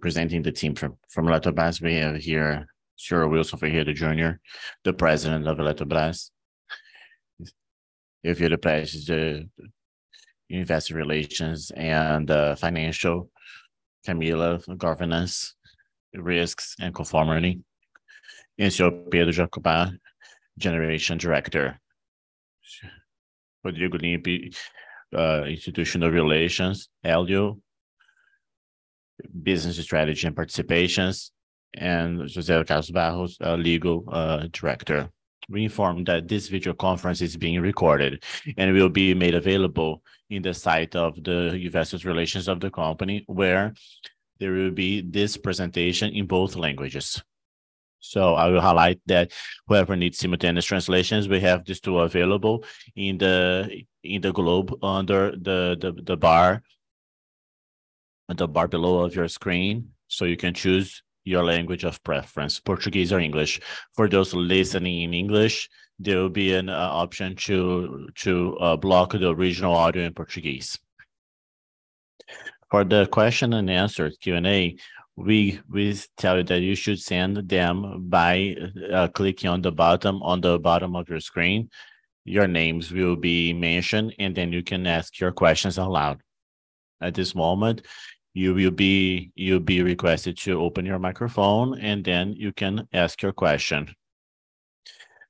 Presenting the team from Eletrobras we have here, Wilson Ferreira Jr., the President of Eletrobras. Ferreira Peixoto, Investor Relations and Financial. Camila, Governance, Risks, and Conformity. Mr. Pedro Jatobá, Generation Director. Rodrigo Limp, Institutional Relations. Élio, Business Strategy and Participations. Jose Carlos Barros, our Legal Director. We inform that this videoconference is being recorded and will be made available on the site of the investor relations of the company, where there will be this presentation in both languages. I will highlight that whoever needs simultaneous translations, we have these two available in the globe under the bar below your screen, so you can choose your language of preference, Portuguese or English. For those listening in English, there will be an option to block the original audio in Portuguese. For the question and answer, Q&A, we tell you that you should send them by clicking on the bottom of your screen. Your names will be mentioned. Then you can ask your questions out loud. At this moment, you will be requested to open your microphone. Then you can ask your question.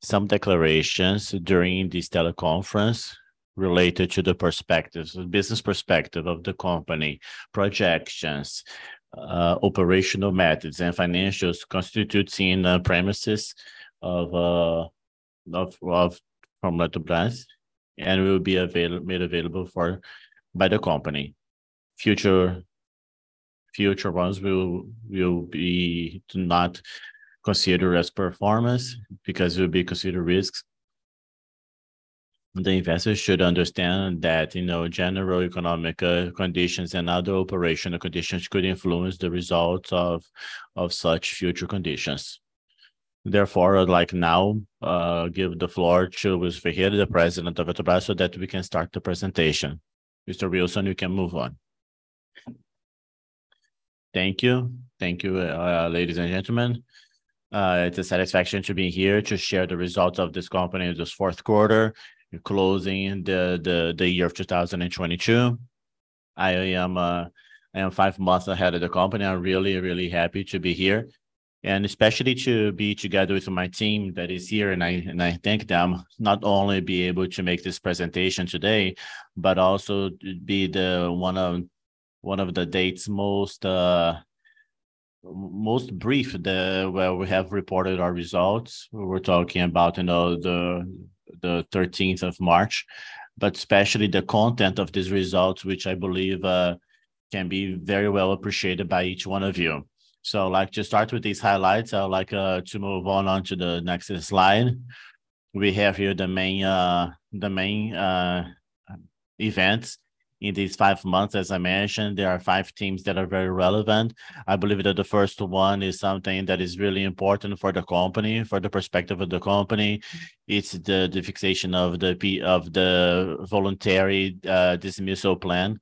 Some declarations during this teleconference related to the perspectives, the business perspective of the company, projections, operational methods and financials constitutes in the premises of, well, from Eletrobras. Will be made available for, by the company. Future ones will not be considered as performance because it will be considered risks. The investors should understand that, you know, general economic conditions and other operational conditions could influence the results of such future conditions. I'd like now to give the floor to Mr. Ferreira, the President of Eletrobras, so that we can start the presentation. Mr. Wilson, you can move on. Thank you. Thank you, ladies and gentlemen. It's a satisfaction to be here to share the results of this company, this fourth quarter closing the year of 2022. I am five months ahead of the company. I'm really happy to be here, and especially to be together with my team that is here, and I thank them, not only be able to make this presentation today, but also to be the one of the dates most brief where we have reported our results. We're talking about, you know, the 13th of March, especially the content of these results, which I believe can be very well appreciated by each one of you. Like, to start with these highlights, I would like to move on to the next slide. We have here the main events in these five months. As I mentioned, there are five teams that are very relevant. I believe that the first one is something that is really important for the company, for the perspective of the company. It's the fixation of the voluntary dismissal plan.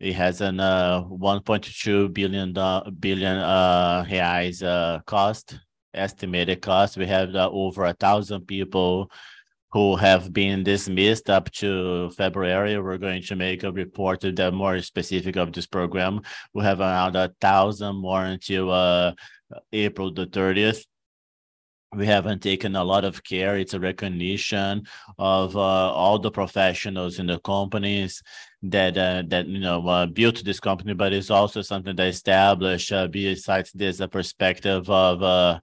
It has a 1.2 billion cost, estimated cost. We have over 1,000 people who have been dismissed up to February. We're going to make a report that more specific of this program. We have around 1,000 more until April the 30th. We have taken a lot of care. It's a recognition of all the professionals in the companies that, you know, built this company, it's also something that establish besides this, a perspective of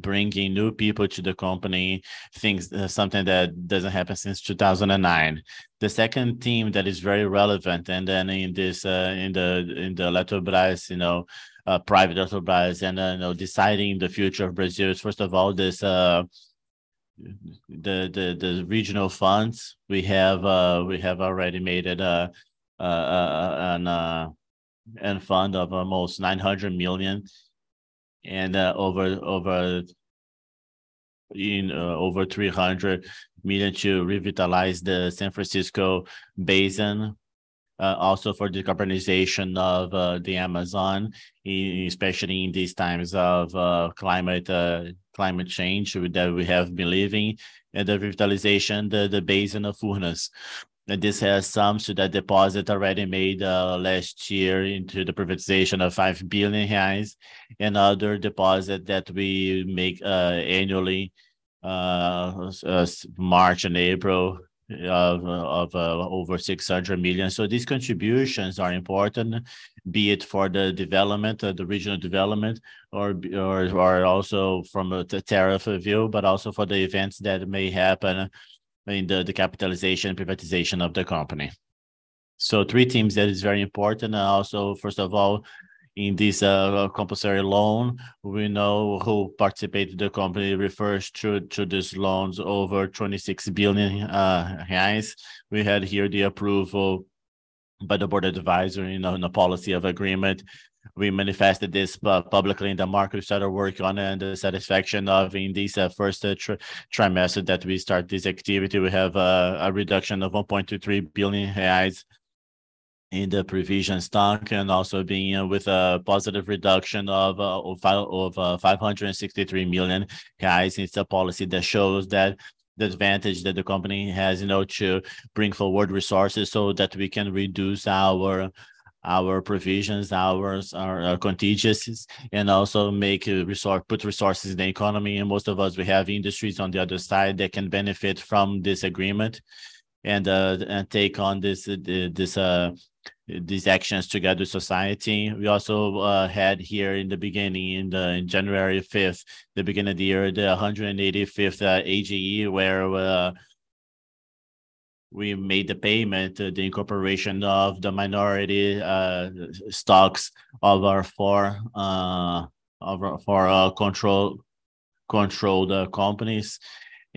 bringing new people to the company, things something that doesn't happen since 2009. The second theme that is very relevant in this, in the Eletrobras, you know, private Eletrobras and, you know, deciding the future of Brazil is, first of all, this, the regional funds. We have already made it a fund of almost 900 million and over 300 million to revitalize the São Francisco Basin, also for decarbonization of the Amazon, especially in these times of climate change that we have been living and the revitalization the Basin of Furnas. This has sums to the deposit already made last year into the privatization of 5 billion reais and other deposit that we make annually March and April of over 600 million. These contributions are important, be it for the development, the regional development or also from a tariff view, but also for the events that may happen in the capitalization, privatization of the company. Three things that is very important. Also, in this compulsory loan, we know who participated. The company refers to these loans over 26 billion reais. We had here the approval by the board of advisory in a policy of agreement. We manifested this publicly in the market. We started work on it and the satisfaction of in this first trimester that we start this activity, we have a reduction of 1.23 billion reais in the provision stock and also being with a positive reduction of 563 million. It's a policy that shows that the advantage that the company has, you know, to bring forward resources so that we can reduce our provisions, our contingencies, and also put resources in the economy. Most of us, we have industries on the other side that can benefit from this agreement and take on these actions together with society. We also had here in the beginning, in January 5th, the beginning of the year, the 185th AGE, where we made the payment, the incorporation of the minority stocks of our 4 controlled companies.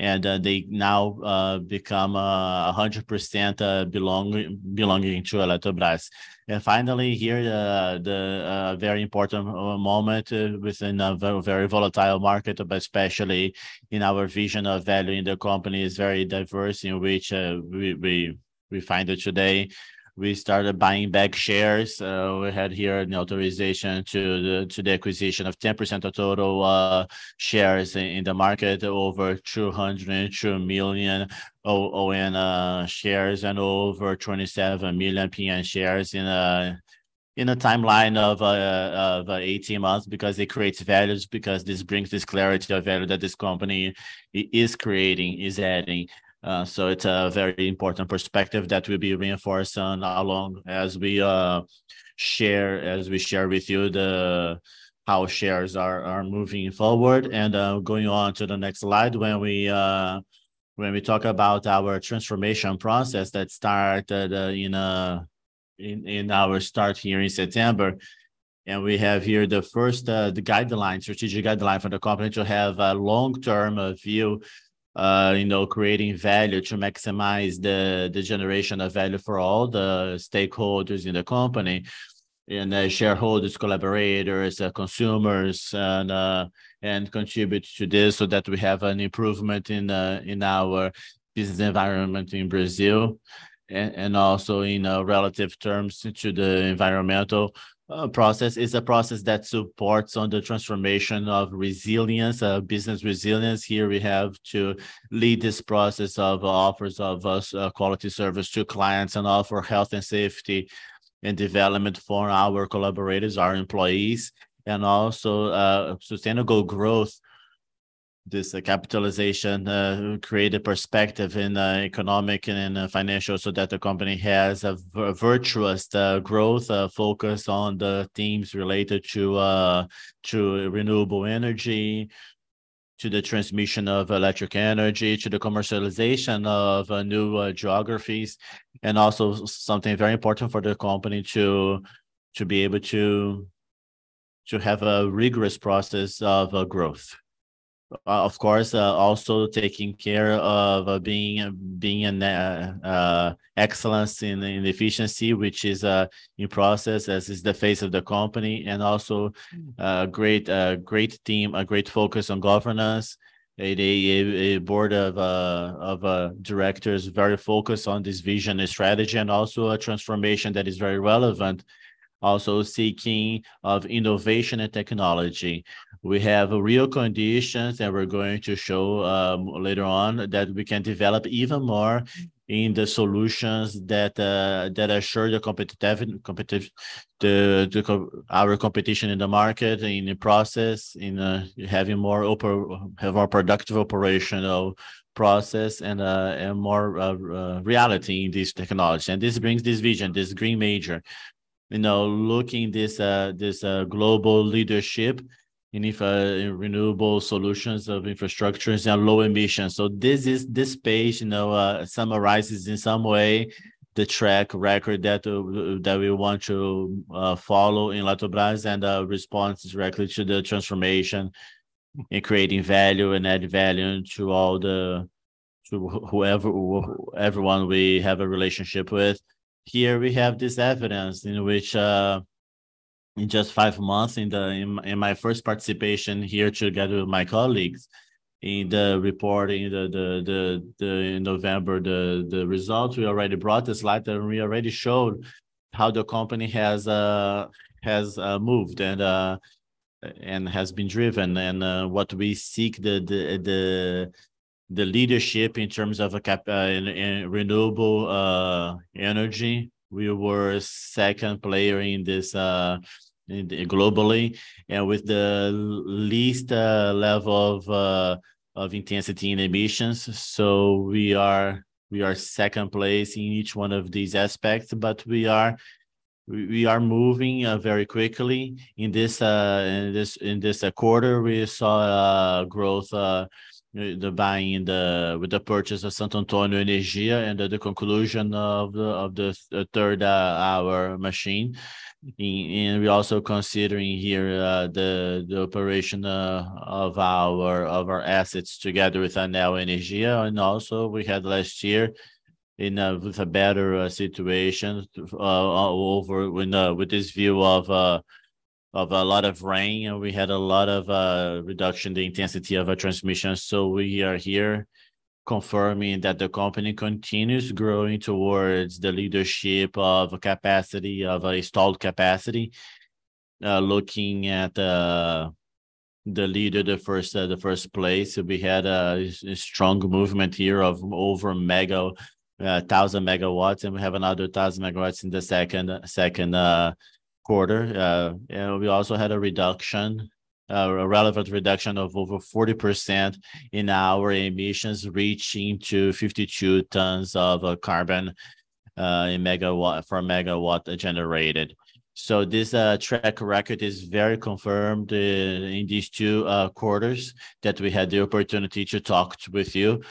They now become 100% belonging to Eletrobras. Finally, here, a very important moment within a very volatile market, but especially in our vision of valuing the company, is very diverse in which we find that today. We started buying back shares. We had here an authorization to the acquisition of 10% of total shares in the market, over 202 million ON shares and over 27 million PN shares in a timeline of 18 months because it creates values, because this brings this clarity of value that this company is creating, is adding. It's a very important perspective that we'll be reinforcing along as we share with you how shares are moving forward. Going on to the next slide, when we talk about our transformation process that started in our start here in September. We have here the first, the guideline, strategic guideline for the company to have a long-term view, you know, creating value to maximize the generation of value for all the stakeholders in the company, shareholders, collaborators, consumers, and contribute to this so that we have an improvement in our business environment in Brazil. Also in relative terms to the environmental process. It's a process that supports on the transformation of resilience, business resilience. Here we have to lead this process of offers of us, quality service to clients and offer health and safety and development for our collaborators, our employees, and also, sustainable growth. This capitalization, create a perspective in economic and in financial, so that the company has a virtuous growth, focus on the themes related to renewable energy, to the transmission of electric energy, to the commercialization of new geographies, and also something very important for the company to be able to have a rigorous process of growth. Of course, also taking care of being in excellence in efficiency, which is a new process, as is the face of the company, and also a great team, a great focus on governance. A board of directors very focused on this vision and strategy, and also a transformation that is very relevant. Also seeking of innovation and technology. We have real conditions that we're going to show later on that we can develop even more in the solutions that assure our competition in the market, in the process, in having more productive operational process and more reality in this technology. This brings this vision, this green major, you know, looking this global leadership in, if, in renewable solutions of infrastructures and low emissions. This is, this page, you know, summarizes in some way the track record that we want to follow in Eletrobras and responds directly to the transformation in creating value and add value to all the, to whoever, everyone we have a relationship with. Here we have this evidence in which, in just five months in the, in my first participation here together with my colleagues in the reporting, the, in November, the results, we already brought the slide and we already showed how the company has moved and has been driven and what we seek the leadership in terms of a cap- in renewable energy. We were second player in this, globally, and with the least level of intensity in emissions. We are second place in each one of these aspects, but we are moving very quickly. In this quarter, we saw growth with the purchase of Santo Antônio Energia and the conclusion of the third our machine. We're also considering here the operation of our assets together with Neoenergia. Also we had last year with a better situation with this view of a lot of rain and we had a lot of reduction in the intensity of our transmission. We are here confirming that the company continues growing towards the leadership of a installed capacity. Looking at the leader, the first place, we had a strong movement here of over mega. 1,000 megawatts, and we have another 1,000 megawatts in the second quarter. You know, we also had a reduction, a relevant reduction of over 40% in our emissions, reaching to 52 tons of carbon in megawatt, for a megawatt generated. This track record is very confirmed in these two quarters that we had the opportunity to talk with you.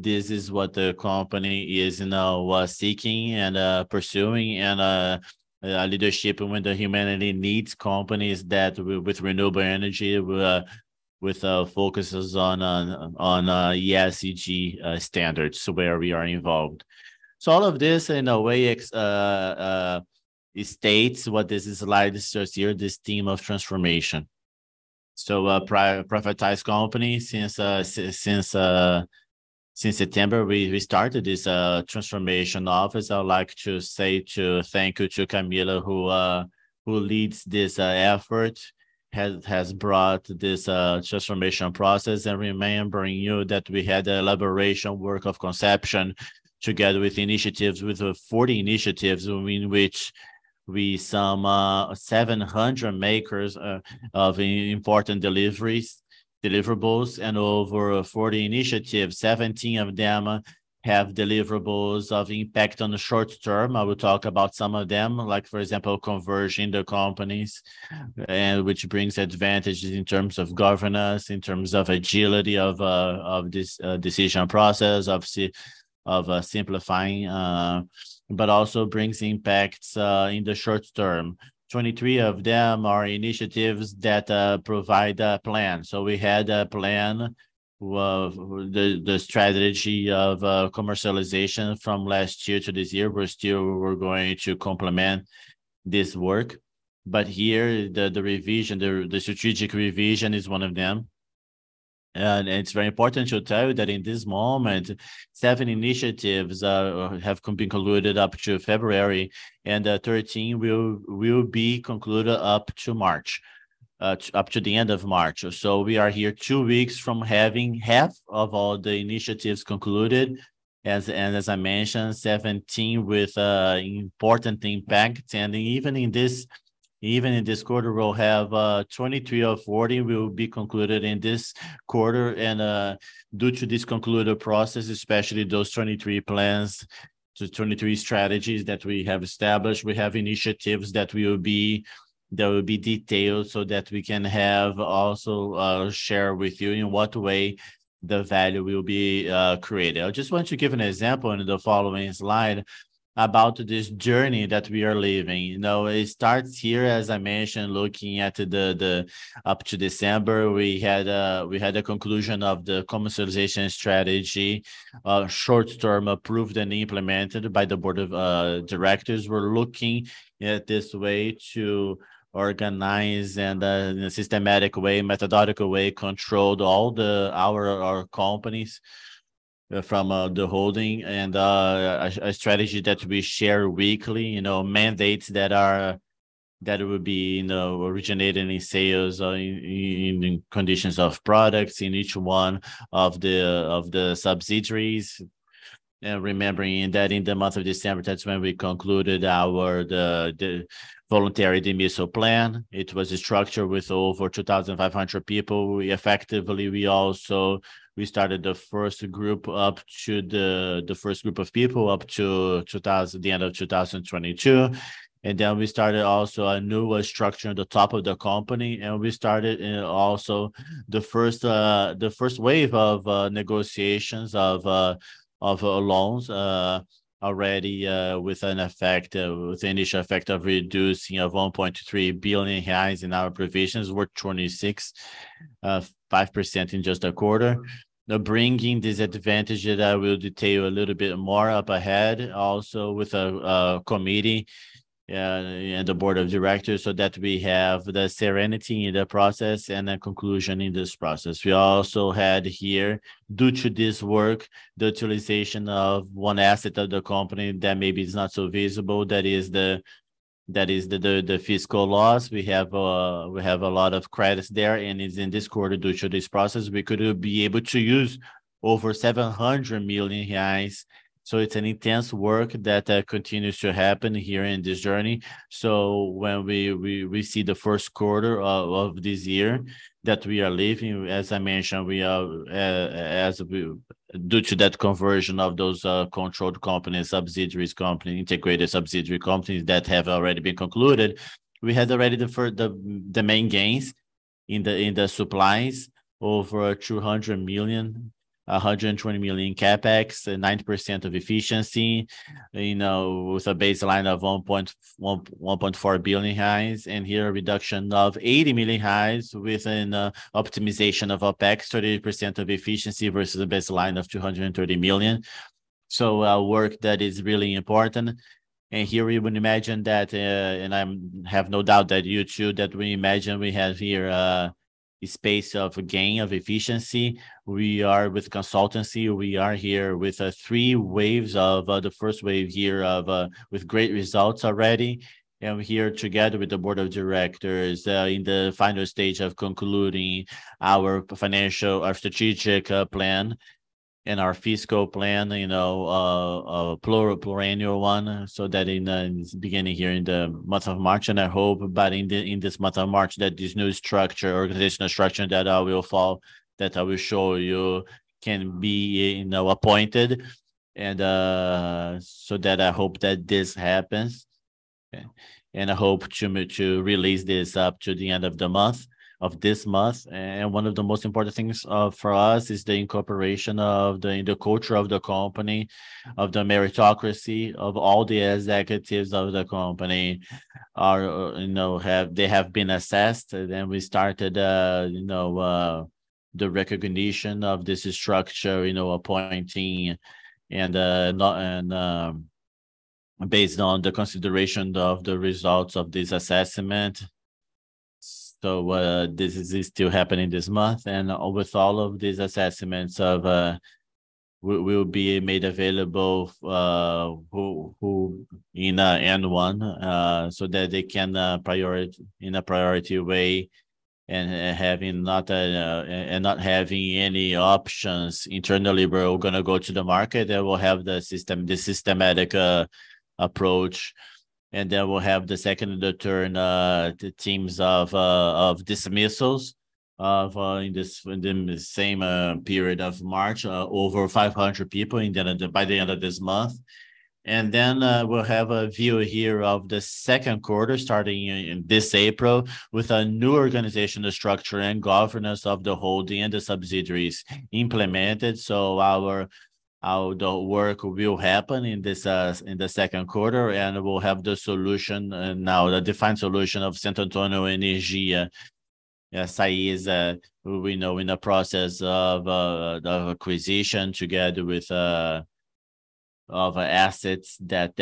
This is what the company is now seeking and pursuing and leadership. When the humanity needs companies that with renewable energy, with focuses on ESG standards, so where we are involved. All of this, in a way, it states what this is slide is just here, this theme of transformation. Privatized company since September, we started this transformation office. I would like to say to thank you to Camila who leads this effort, has brought this transformation process. Remembering you that we had the elaboration work of conception together with initiatives, with 40 initiatives, in which we sum 700 makers of important deliveries, deliverables, and over 40 initiatives. 17 of them have deliverables of impact on the short term. I will talk about some of them, like for example, conversion the companies, which brings advantages in terms of governance, in terms of agility of this decision process, obviously of simplifying, but also brings impacts in the short term. 23 of them are initiatives that provide a plan. We had a plan of the strategy of commercialization from last year to this year. We're going to complement this work, here, the strategic revision is one of them. It's very important to tell you that in this moment, seven initiatives have been concluded up to February, 13 will be concluded up to March, up to the end of March. We are here two weeks from having half of all the initiatives concluded as I mentioned, 17 with important impact. Even in this quarter, we'll have 23 of 40 will be concluded in this quarter. Due to this concluded process, especially those 23 plans, the 23 strategies that we have established, we have initiatives that will be detailed so that we can have also, share with you in what way the value will be created. I just want to give an example in the following slide about this journey that we are living. You know, it starts here, as I mentioned, looking at Up to December, we had a conclusion of the commercialization strategy, short term approved and implemented by the board of directors. We're looking at this way to organize in a systematic way, methodical way, control our companies from the holding and a strategy that we share weekly. You know, mandates that would be, you know, originating in sales or in conditions of products in each one of the subsidiaries. Remembering that in the month of December, that's when we concluded our voluntary dismissal plan. It was a structure with over 2,500 people. We effectively, we also, we started the first group up to the first group of people up to the end of 2022. Then we started also a new structure at the top of the company, we started, you know, also the first wave of negotiations of loans already with an effect with initial effect of reducing of 1.3 billion reais in our provisions worth 26.5% in just a quarter. Bringing this advantage that I will detail a little bit more up ahead, also with a committee and the board of directors, so that we have the serenity in the process and a conclusion in this process. We also had here, due to this work, the utilization of one asset of the company that maybe is not so visible. That is the fiscal laws. We have a lot of credits there, and is in this quarter, due to this process, we could be able to use over 700 million reais. It's an intense work that continues to happen here in this journey. When we see the first quarter of this year that we are leaving, as I mentioned, we are as we... Due to that conversion of those, controlled company, subsidiaries company, integrated subsidiary companies that have already been concluded, we had already deferred the main gains. In the supplies over $200 million, $120 million CapEx, and 90% efficiency, you know, with a baseline of 1.4 billion and here a reduction of 80 million with an optimization of OpEx, 30% efficiency versus a baseline of $230 million. Work that is really important. Here we would imagine that, and I'm have no doubt that you too, that we imagine we have here a space of gain of efficiency. We are with consultancy. We are here with three waves of... The first wave here of, with great results already, here together with the board of directors, in the final stage of concluding our financial, our strategic plan and our fiscal plan, you know, pluriannual one, so that in beginning here in the month of March, I hope, but in this month of March, that this new structure, organizational structure that I will file, that I will show you can be, you know, appointed and, so that I hope that this happens. I hope to release this up to the end of the month, of this month. One of the most important things for us is the incorporation of the culture of the company, of the meritocracy, of all the executives of the company are, you know, have. They have been assessed, and we started, you know, the recognition of this structure, you know, appointing and, not, and based on the consideration of the results of this assessment. This is still happening this month, and with all of these assessments of, will be made available, who in N1, so that they can in a priority way and having not, and not having any options internally. We're gonna go to the market, and we'll have the systematic approach, and then we'll have the second return, the teams of dismissals of, in this same period of March, over 500 people and then by the end of this month. We'll have a view here of the 2nd quarter starting in this April with a new organizational structure and governance of the holding and the subsidiaries implemented. The work will happen in this in the 2nd quarter, and we'll have the solution and now the defined solution of Santo Antônio Energia. SA is we know in the process of the acquisition together with of assets that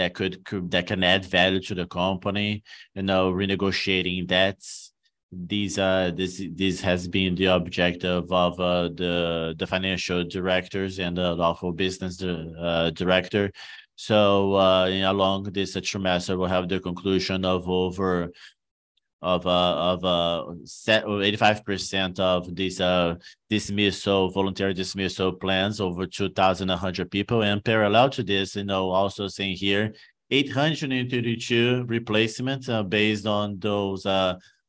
can add value to the company. You know, renegotiating debts, this has been the objective of the financial directors and the lawful business director. Along this trimester, we'll have the conclusion of 85% of these dismissal, voluntary dismissal plans, over 2,100 people. Parallel to this, you know, also seeing here, 832 replacements, based on those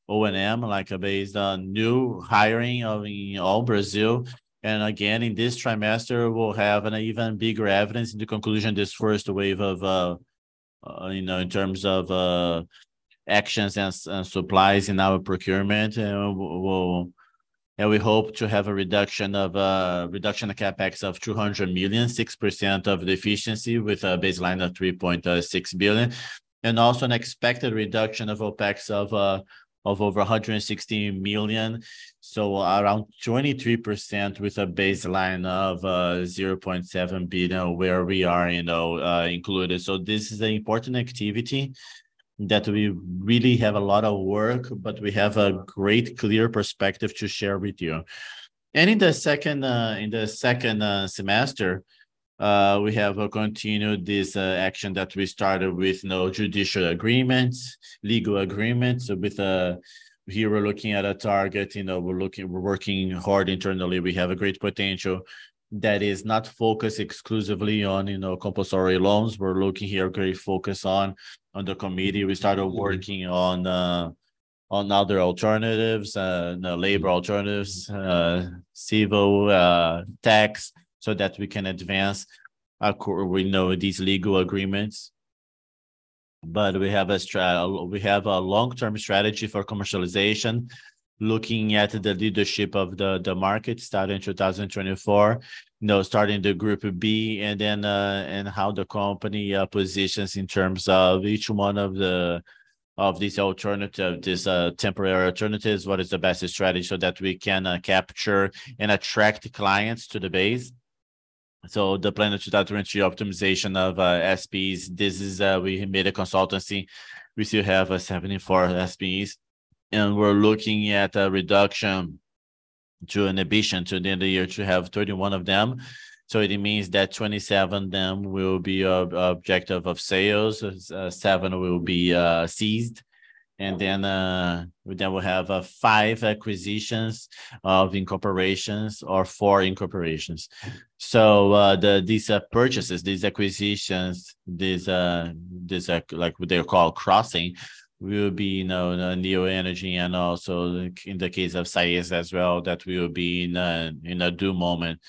O&M, like based on new hiring of all Brazil. Again, in this trimester, we'll have an even bigger evidence in the conclusion this first wave of, you know, in terms of actions and supplies in our procurement. We'll, and we hope to have a reduction of CapEx of 200 million, 6% of the efficiency with a baseline of 3.6 billion. Also an expected reduction of OpEx of over 160 million, so around 23% with a baseline of 0.7 billion where we are, you know, included. This is an important activity that we really have a lot of work, but we have a great, clear perspective to share with you. In the second semester, we have continued this action that we started with no judicial agreements, legal agreements with, here we're looking at a target, you know, we're looking, we're working hard internally. We have a great potential that is not focused exclusively on, you know, compulsory loans. We're looking here great focus on the committee. We started working on other alternatives, labor alternatives, civil, tax, so that we can advance our we know these legal agreements. We have a long-term strategy for commercialization, looking at the leadership of the market starting in 2024, you know, starting the group B and then, and how the company positions in terms of each one of these alternative, these temporary alternatives. What is the best strategy so that we can capture and attract clients to the base? The plan of 2023 optimization of SPEs, this is, we made a consultancy. We still have 74 SPEs, and we're looking at a reduction to an ambition to the end of the year to have 31 of them. It means that 27 of them will be a objective of sales, seven will be seized. We then will have five acquisitions of incorporations or four incorporations. These purchases, these acquisitions, these like they're called crossing will be, you know, in Neoenergia and also like in the case of AES as well, that we will be in a due moment,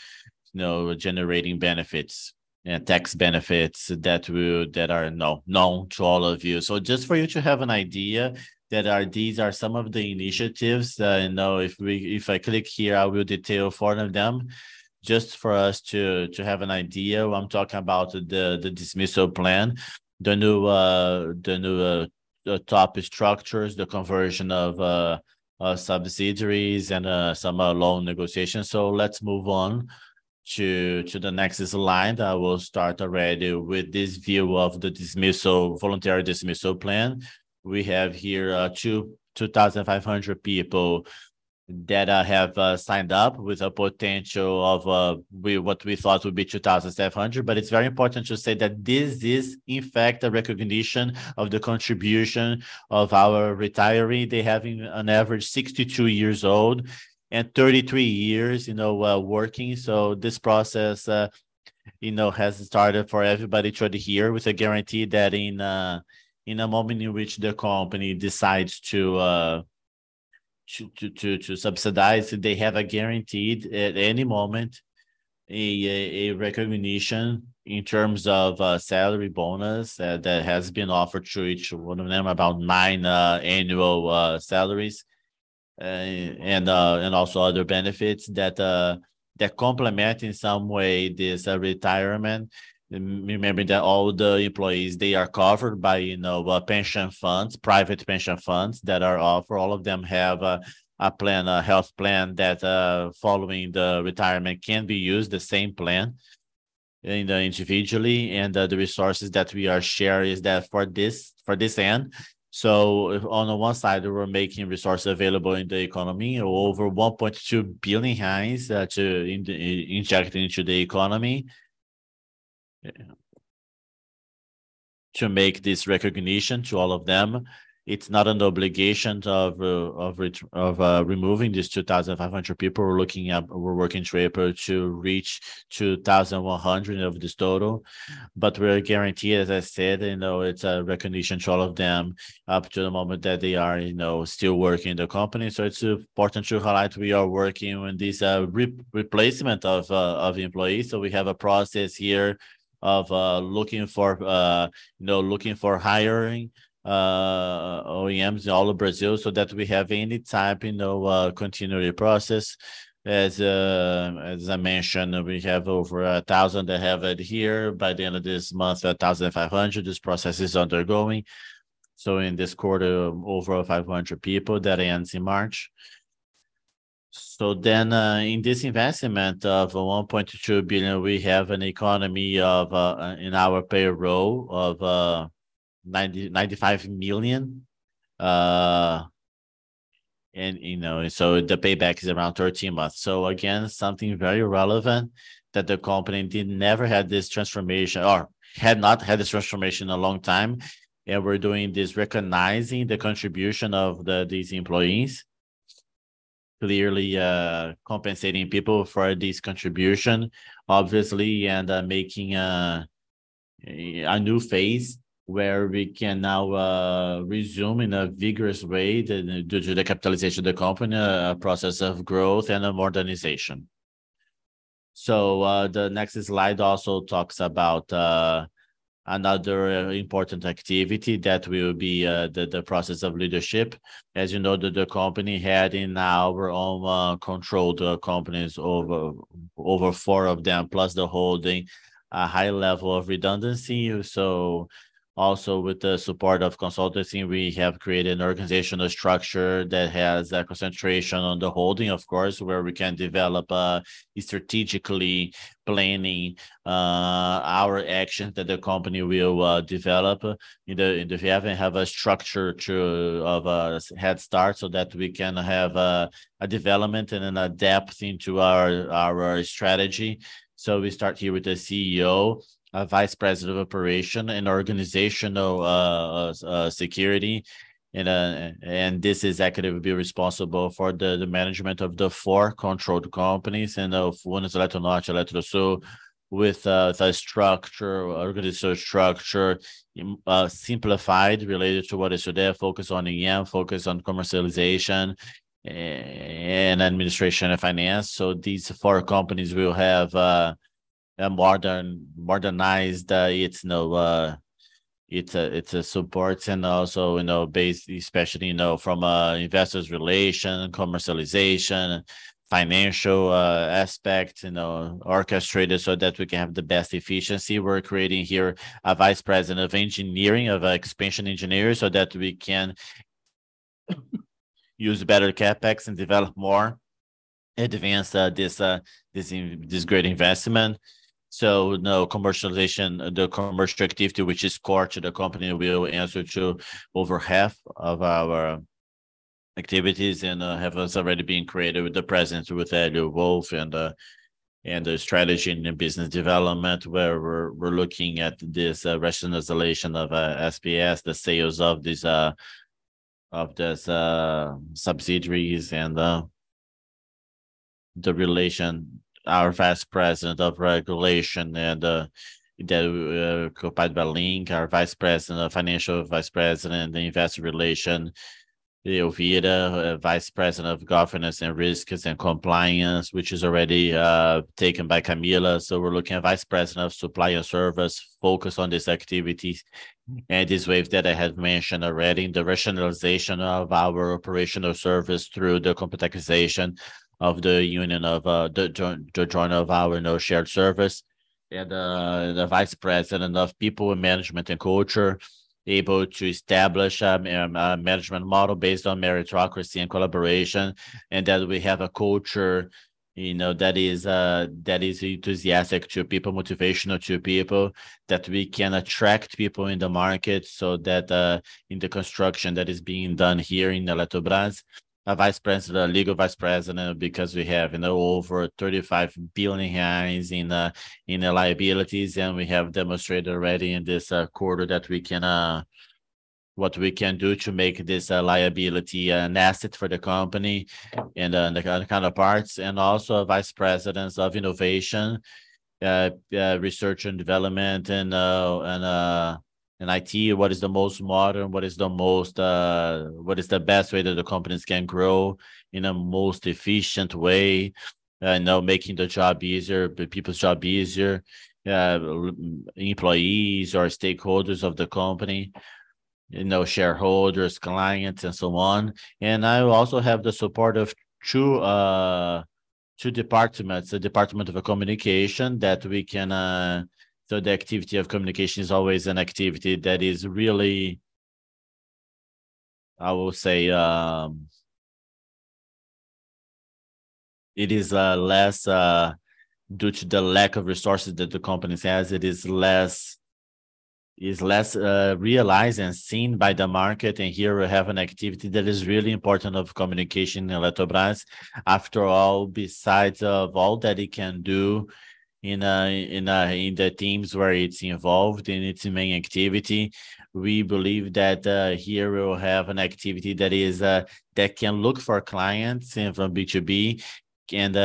you know, generating benefits and tax benefits that are known to all of you. Just for you to have an idea, these are some of the initiatives, you know, if we, if I click here, I will detail four of them just for us to have an idea what I'm talking about the dismissal plan, the new top structures, the conversion of subsidiaries and some loan negotiations. Let's move on to the next slide. I will start already with this view of the voluntary dismissal plan. We have here 2,500 people that have signed up with a potential of what we thought would be 2,700. It's very important to say that this is, in fact, a recognition of the contribution of our retiree. They have, in an average, 62 years old and 33 years, you know, working. This process, you know, has started for everybody to adhere with a guarantee that in a moment in which the company decides to subsidize, they have a guaranteed, at any moment, a recognition in terms of a salary bonus that has been offered to each one of them, about nine annual salaries, and also other benefits that complement in some way this retirement. Remember that all the employees, they are covered by, you know, pension funds, private pension funds that are offered. All of them have a plan, a health plan that, following the retirement can be used the same plan, you know, individually. The resources that we are share is that for this, for this end. On the one side, we're making resources available in the economy, over 1.2 billion reais, to in-inject into the economy to make this recognition to all of them. It's not an obligation of removing these 2,500 people. We're looking at, we're working to reach 2,100 of this total. We're guarantee, as I said, you know, it's a recognition to all of them up to the moment that they are, you know, still working in the company. It's important to highlight we are working on this replacement of employees. We have a process here of looking for, you know, looking for hiring OEMs in all of Brazil so that we have any type, you know, continuity process. As I mentioned, we have over 1,000 that have adhered. By the end of this month, 1,500, this process is undergoing. In this quarter, over 500 people, that ends in March. Then, in this investment of 1.2 billion, we have an economy of in our payroll of 90 million-95 million. You know, so the payback is around 13 months. Again, something very relevant that the company did never had this transformation or had not had this transformation in a long time. We're doing this recognizing the contribution of these employees, clearly, compensating people for this contribution, obviously, and, making a new phase where we can now, resume in a vigorous way due to the capitalization of the company, a process of growth and of modernization. The next slide also talks about another important activity that will be the process of leadership. As you know, the company had in our own, controlled companies over four of them, plus the holding a high level of redundancy. Also with the support of consultancy, we have created an organizational structure that has a concentration on the holding, of course, where we can develop strategically planning our actions that the company will develop. We have a structure to of head start so that we can have a development and an adapt into our strategy. We start here with the CEO, a vice president of operation and organizational security. This executive will be responsible for the management of the four controlled companies and of one Eletronorte. With the structure, organizational structure, simplified related to what is today, focus on EM, focus on commercialization and administration and finance. These four companies will have modernized, it's, you know, it's a support and also, you know, base, especially, you know, from Investor Relations, commercialization, financial aspect, you know, orchestrated so that we can have the best efficiency. We're creating here a vice president of engineering, of expansion engineering, so that we can use better CapEx and develop more, advance, this great investment. You know, commercialization, the commercial activity, which is core to the company, will answer to over half of our activities and have already been created with the presence with Élio Wolff and the strategy and business development, where we're looking at this rationalization of SPEs, the sales of these subsidiaries. The relation, our Vice President of Regulation, and that occupied by Rodrigo Limp, our Vice President of Finance and Investor Relations, Elvira, Vice President of Governance, Risks, and Compliance, which is already taken by Camila. We're looking at vice president of supplier service focus on these activities and this wave that I had mentioned already, the rationalization of our operational service through the computerization of the union of the join of our, you know, shared service. The vice president of people management and culture able to establish a management model based on meritocracy and collaboration, and that we have a culture, you know, that is enthusiastic to people, motivational to people, that we can attract people in the market, in the construction that is being done here in Eletrobras. A vice president, a legal vice president, because we have, you know, over 35 billion reais in liabilities. What we can do to make this a liability, an asset for the company and the counter-counterparts. Also vice presidents of innovation, research and development and IT. What is the most modern? What is the most, what is the best way that the companies can grow in a most efficient way? You know, making the job easier, the people's job easier. Employees or stakeholders of the company, you know, shareholders, clients, and so on. I also have the support of two departments, the Department of Communication, that we can. The activity of communication is always an activity that is really, I will say, it is less due to the lack of resources that the company has, it is less realized and seen by the market. Here we have an activity that is really important of communication in Eletrobras. After all, besides of all that it can do in in the teams where it's involved in its main activity, we believe that here we will have an activity that is that can look for clients and from B2B and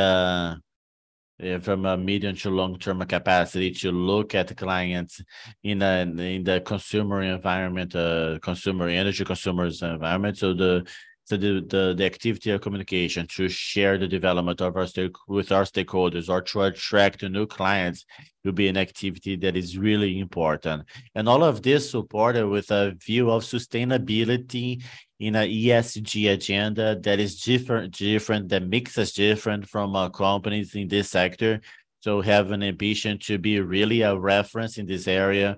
from a medium to long-term capacity to look at the clients in the in the consumer environment, consumer, energy consumers environment. The activity of communication to share the development of our stakeholders or to attract new clients will be an activity that is really important. All of this supported with a view of sustainability in a ESG agenda that is different, the mix is different from our companies in this sector. Have an ambition to be really a reference in this area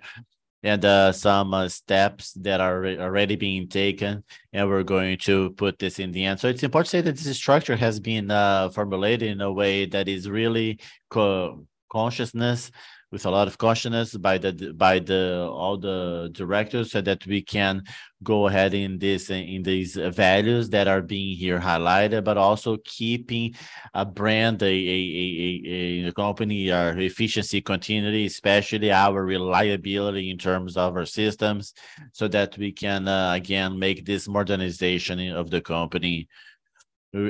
and some steps that are already being taken, and we're going to put this in the end. It's important to say that this structure has been formulated in a way that is really co-consciousness, with a lot of consciousness by all the directors, so that we can go ahead in this, in these values that are being here highlighted, but also keeping a brand, a company, our efficiency continuity, especially our reliability in terms of our systems, so that we can again make this modernization of the company,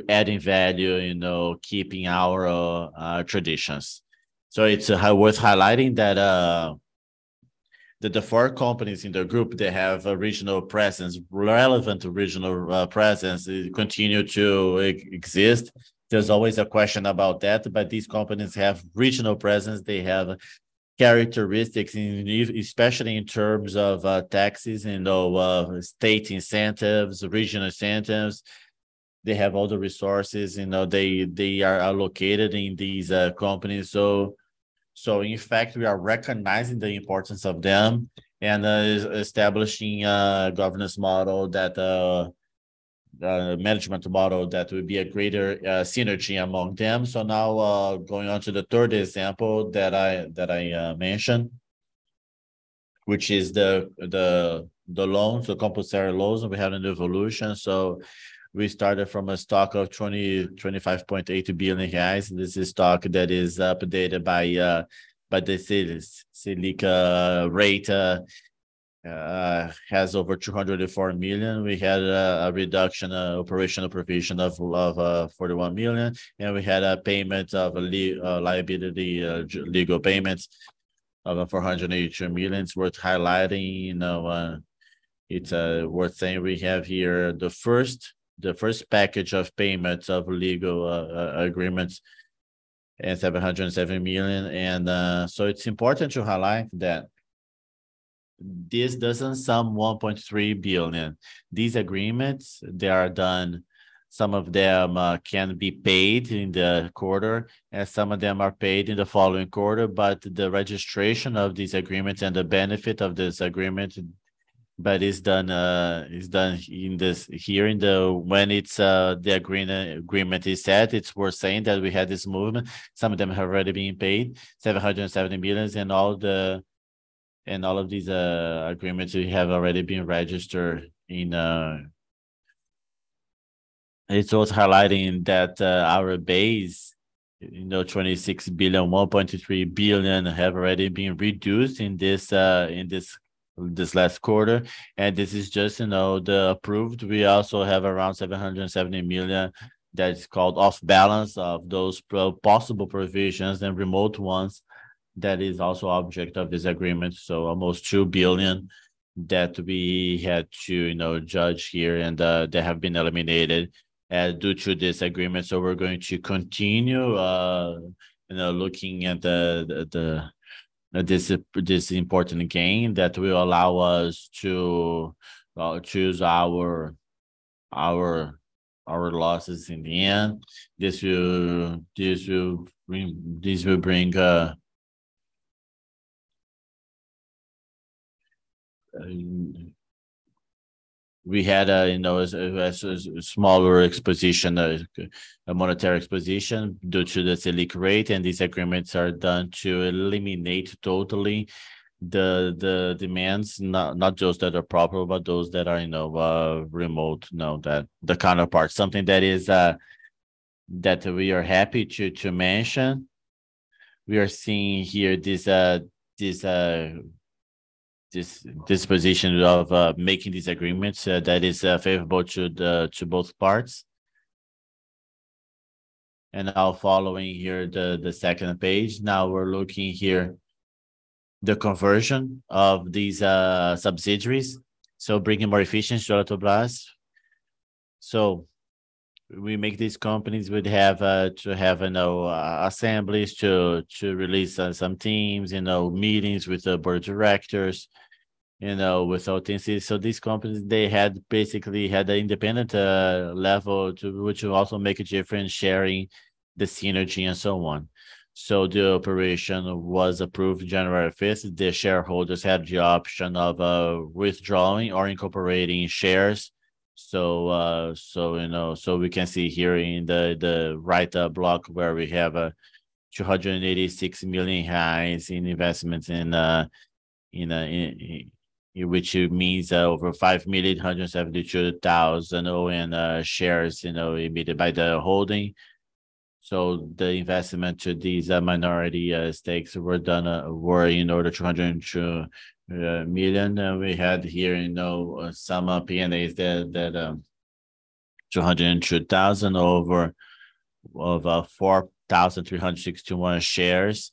adding value, you know, keeping our traditions. It's worth highlighting that the four companies in the group, they have a regional presence, relevant regional presence continue to exist. There's always a question about that. These companies have regional presence. They have characteristics in, especially in terms of taxes and state incentives, regional incentives. They have all the resources, you know, they are allocated in these companies. In fact, we are recognizing the importance of them and establishing a management model that would be a greater synergy among them. Now, going on to the third example that I mentioned, which is the loans, the compulsory loans that we had in the evolution. We started from a stock of 25.8 billion reais. This is stock that is updated by the SELIC rate, has over 204 million BRL. We had a reduction, operational provision of 41 million, and we had a payment of liability, legal payments of 480 million. It's worth highlighting, it's worth saying we have here the first package of payments of legal agreements at 707 million. It's important to highlight that this doesn't sum 1.3 billion. These agreements, they are done, some of them can be paid in the quarter, and some of them are paid in the following quarter. The registration of these agreements and the benefit of this agreement, it's done in this. When the agreement is set, it's worth saying that we had this movement. Some of them have already been paid, 770 million, and all of these agreements have already been registered in. It's worth highlighting that our base, you know, 26 billion, 1.3 billion have already been reduced in this last quarter. This is just, you know, the approved. We also have around 770 million that is called off balance of those possible provisions and remote ones that is also object of this agreement. Almost 2 billion that we had to, you know, judge here and they have been eliminated due to this agreement. We're going to continue, you know, looking at this important gain that will allow us to choose our losses in the end. This will bring, We had a, you know, a smaller exposition, a monetary exposition due to this Selic rate, and these agreements are done to eliminate totally the demands. Not just that are proper, but those that are, you know, remote, you know, that the counterpart. Something that is that we are happy to mention. We are seeing here this disposition of making these agreements that is favorable to both parts. Now following here the second page. Now we're looking here the conversion of these subsidiaries, bringing more efficiency to Eletrobras. We make these companies would have to have, you know, assemblies to release some teams, you know, meetings with the board of directors, you know, with OTC. These companies, they had basically had an independent level to which will also make a difference sharing the synergy and so on. The operation was approved January 5th. The shareholders had the option of withdrawing or incorporating shares. You know, we can see here in the right block where we have 286 million in investments in... Which means over 5,172,000 in shares, you know, emitted by the holding. The investment to these minority stakes were done in order 202 million. We had here in, you know, some P&As that 202,000 over 4,361 shares.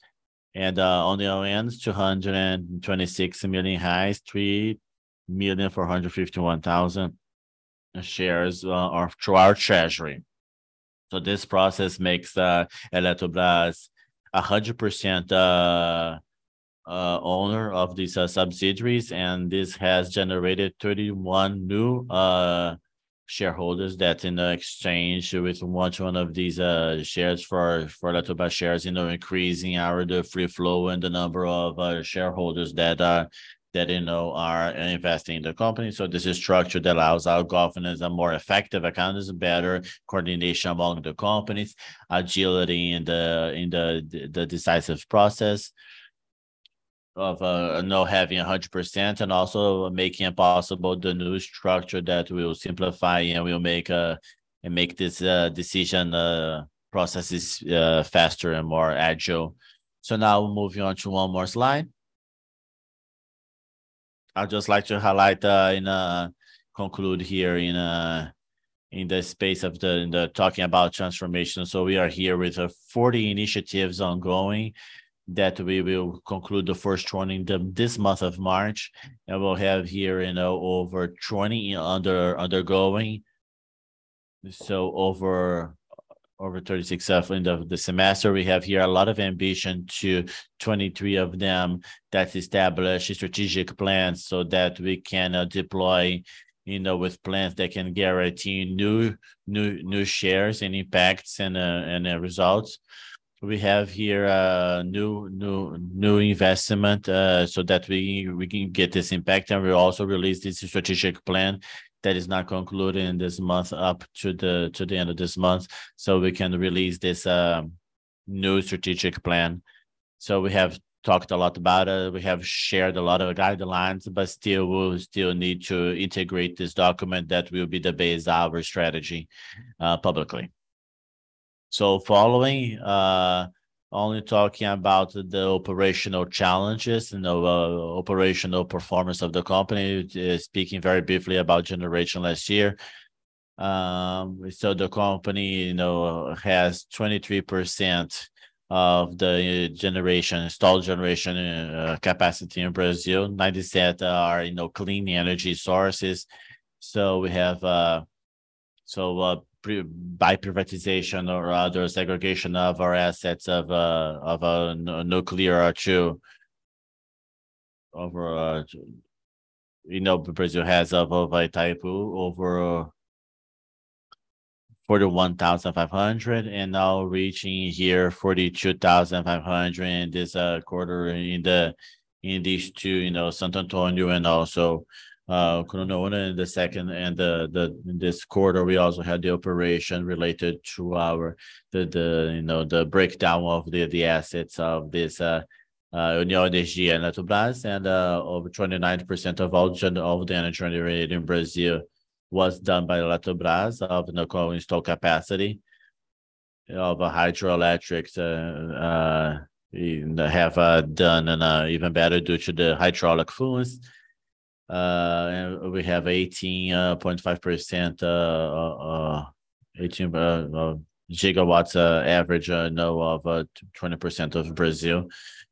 On the other end, 226 million, 3 million 451,000 shares through our treasury. This process makes Eletrobras a 100% owner of these subsidiaries, and this has generated 31 new shareholders that in exchange with much one of these shares for Eletrobras shares, you know, increasing our free flow and the number of shareholders that are, that, you know, are investing in the company. This is structure that allows our governance a more effective account is better coordination among the companies, agility in the decisive process of now having a 100% and also making it possible the new structure that will simplify and will make this decision processes faster and more agile. Now moving on to one more slide. I'd just like to highlight and conclude here in the space of the talking about transformation. We are here with 40 initiatives ongoing that we will conclude the 1st one in this month of March. We'll have here, you know, over 20 undergoing. Over 36 at end of the semester. We have here a lot of ambition to 23 of them that establish strategic plans so that we can deploy, you know, with plans that can guarantee new shares and impacts and results. We have here a new investment so that we can get this impact. We also released this strategic plan that is now concluding this month up to the end of this month, so we can release this new strategic plan. We have talked a lot about it. We have shared a lot of guidelines, but still, we'll still need to integrate this document that will be the base of our strategy publicly. Following only talking about the operational challenges and the operational performance of the company. Speaking very briefly about generation last year. The company, you know, has 23% of the generation, installed generation capacity in Brazil. 90% are, you know, clean energy sources. We have by privatization or other segregation of our assets of nuclear are to over... You know, Brazil has about by type over 41,500 and now reaching here 42,500 in this quarter in these two, you know, Santo Antônio and also Belo Monte. In this quarter, we also had the operation related to our, you know, the breakdown of the assets of this Neoenergia and Eletrobras. Over 29% of all of the energy generated in Brazil was done by Eletrobras of the current installed capacity. Of hydroelectric, have done and even better due to the hydraulic flows. We have 18.5%, 18 gigawatts average now of 20% of Brazil.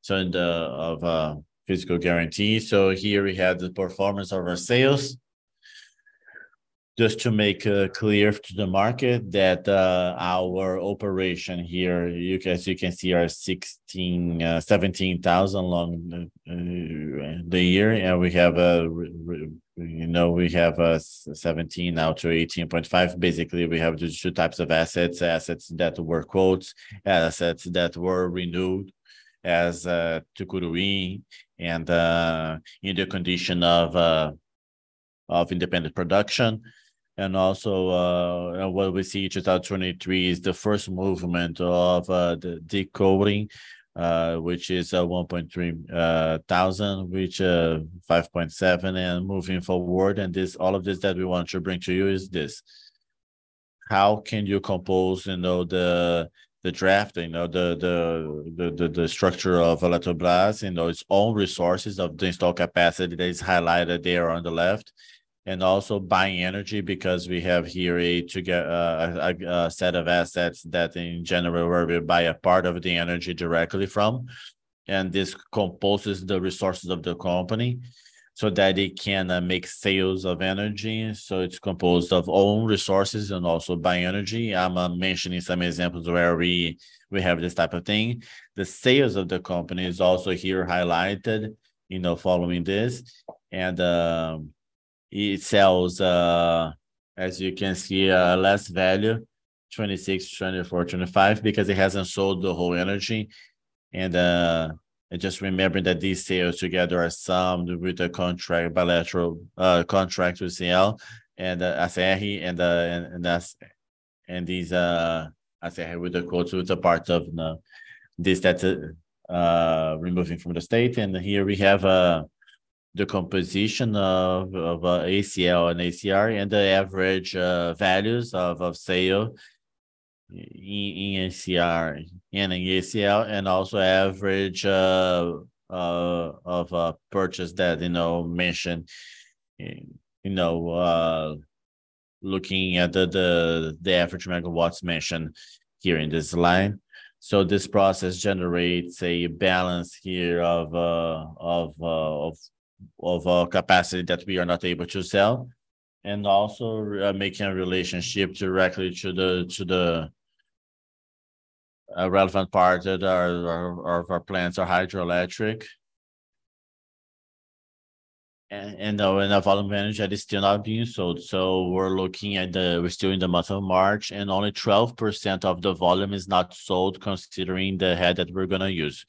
Of physical guarantee. Here we have the performance of our sales. Just to make clear to the market that our operation here, you can see our 16, 17,000 along the year. We have, you know, we have 17 now to 18.5. Basically, we have these two types of assets. Assets that were quotes, assets that were renewed as Tucuruí and in the condition of independent production. Also, what we see, 2023 is the first movement of the decoding, which is 1,300, which 5.7 and moving forward. This, all of this that we want to bring to you is this: How can you compose, you know, the draft, you know, the structure of Eletrobras, you know, its own resources of the installed capacity that is highlighted there on the left. Also buying energy because we have here a set of assets that in general where we buy a part of the energy directly from. This composes the resources of the company so that it can make sales of energy. It's composed of own resources and also buy energy. I'm mentioning some examples where we have this type of thing. The sales of the company is also here highlighted, you know, following this. It sells, as you can see, less value, 26, 24, 25, because it hasn't sold the whole energy. Just remembering that these sales together are summed with the contract, bilateral, contract with ACL and ACEI and AS... These ACEI with the quotes with the part of this that's removing from the state. Here we have the composition of ACL and ACR and the average values of sale in ACR and in ACL, and also average of purchase that, you know, mentioned, you know, looking at the the the average megawatts mentioned here in this line. This process generates a balance here of capacity that we are not able to sell. Making a relationship directly to the relevant part that our plants are hydroelectric. A volume of energy that is still not being sold. We're still in the month of March, and only 12% of the volume is not sold, considering the head that we're gonna use.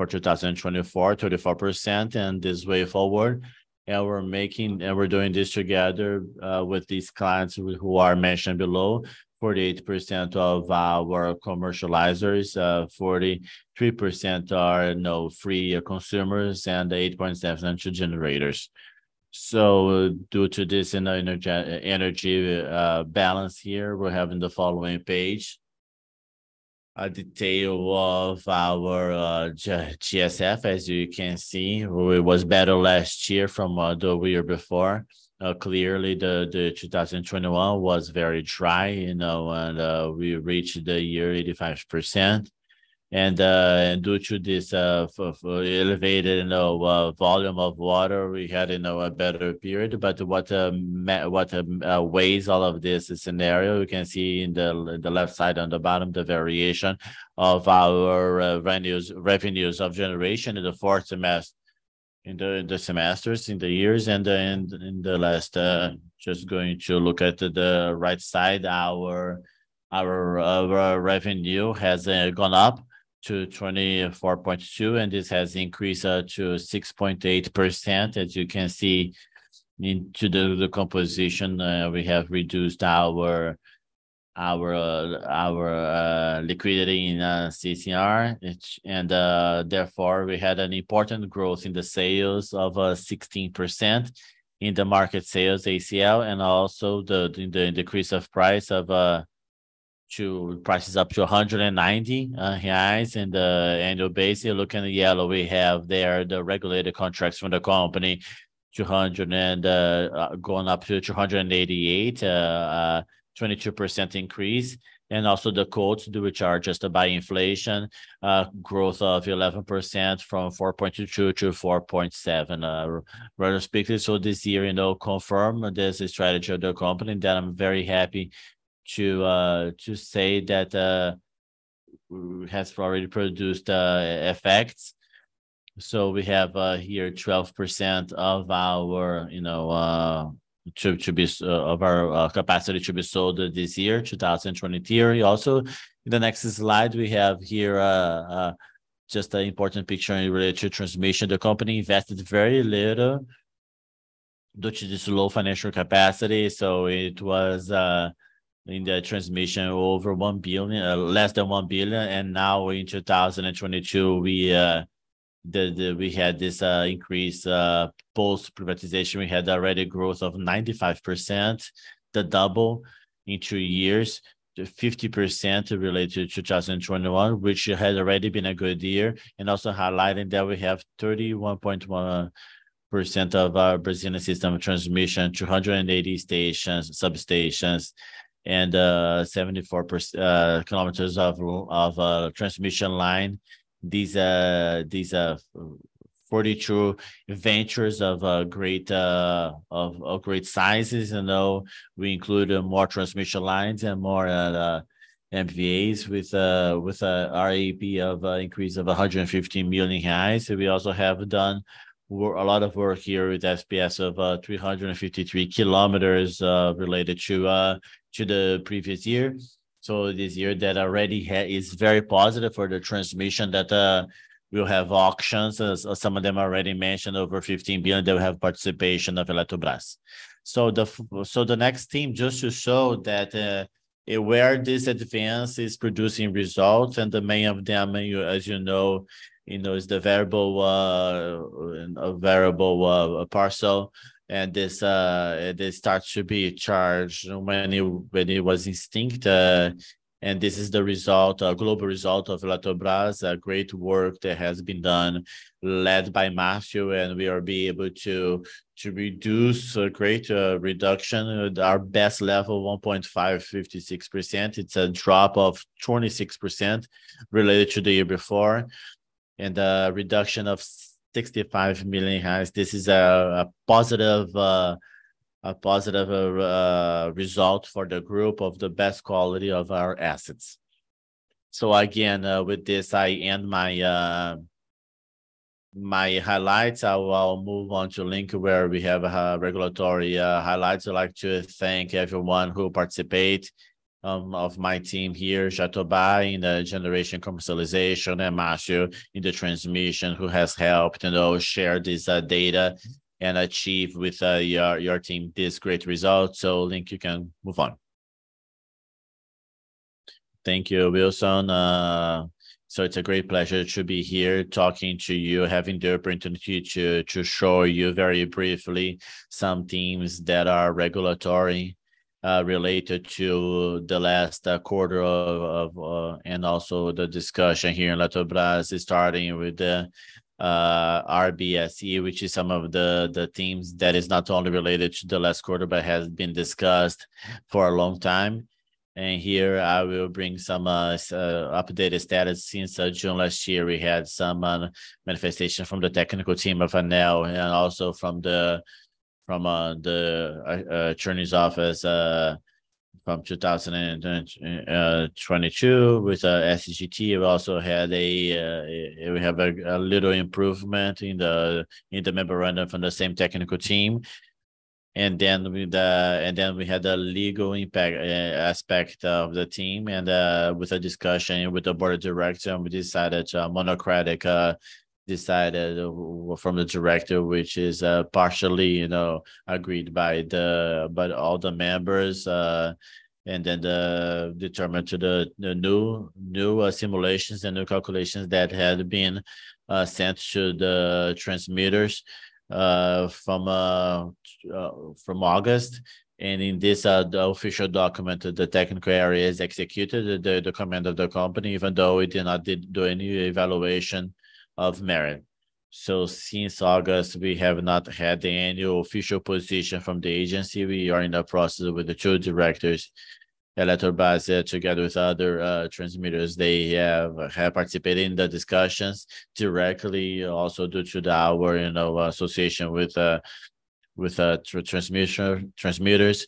For 2024, 34%, and this way forward. We're doing this together with these clients who are mentioned below. 48% of our commercializers, 43% are no free consumers, and 8.7% are generators. Due to this energy balance here, we're having the following page. A detail of our G-TSF. As you can see, it was better last year from the year before. Clearly the 2021 was very dry, you know, we reached the year 85%. Due to this elevated, you know, volume of water, we had, you know, a better period. What weighs all of this scenario, we can see in the left side on the bottom, the variation of our revenues of generation in the fourth semesters, in the years in the last. Just going to look at the right side, our revenue has gone up to 24.2, this has increased to 6.8%. As you can see into the composition, we have reduced our liquidity in CCR, which... Therefore, we had an important growth in the sales of 16% in the market sales ACL also the decrease of price to prices up to 190 reais. Annual basis, looking at yellow, we have there the regulated contracts from the company, 200 and going up to 288, 22% increase. Also the quotes due which are just by inflation growth of 11% from 4.22 to 4.7 respectively. This year, you know, confirm this strategy of the company that I'm very happy to say that has already produced effects. We have here 12% of our, you know, capacity to be sold this year, 2023. In the next slide, we have here just an important picture in relation to transmission. The company invested very little due to this low financial capacity, it was in the transmission over 1 billion, less than 1 billion. Now in 2022, we had this increase post-privatization. We had already growth of 95%, the double in two years to 50% related to 2021, which had already been a good year. Also highlighting that we have 31.1% of our Brazilian system transmission, 280 stations, substations, and 74 km of transmission line. These, these 42 ventures of great, of great sizes. You know, we include more transmission lines and more MPVs with a RAP of increase of 115 million reais. We also have done work, a lot of work here with SPS of 353 km related to the previous year. This year that already is very positive for the transmission that we'll have auctions as some of them already mentioned, over 15 billion. They'll have participation of Eletrobras. The next team, just to show that, where this advance is producing results and the many of them, and you, as you know, you know, is the variable, uh, parcel. This starts to be charged when it, when it was extinct. This is the result, a global result of Eletrobras, a great work that has been done led by Matthew. We will be able to reduce a great reduction with our best level, 1.56%. It's a drop of 26% related to the year before, a reduction of 65 million. This is a positive result for the group of the best quality of our assets. Again, with this, I end my highlights. I will move on to Limp, where we have regulatory highlights. I'd like to thank everyone who participate of my team here, Jatoba in the generation commercialization and Matthew in the transmission, who has helped, you know, share this data and achieve with your team this great result. Limp, you can move on. Thank you, Wilson. It's a great pleasure to be here talking to you, having the opportunity to show you very briefly some themes that are regulatory related to the last quarter of and also the discussion here in Eletrobras starting with the RBSE, which is some of the themes that is not only related to the last quarter, but has been discussed for a long time. Here I will bring some updated status. Since June last year, we had some manifestation from the technical team of ANEEL, and also from the attorney's office, from 2022. With SGT, we also have a little improvement in the memorandum from the same technical team. With the, we had the legal impact aspect of the team and with a discussion with the board of director, and we decided to monocratic decided from the director, which is partially, you know, agreed by all the members, and then determined to the new simulations and new calculations that had been sent to the transmitters from August. In this, the official document, the technical area is executed the command of the company, even though it did not do any evaluation of merit. Since August, we have not had the annual official position from the agency. We are in the process with the two directors, Eletrobras, together with other transmitters. They have participated in the discussions directly, also due to our, you know, association with transmitters.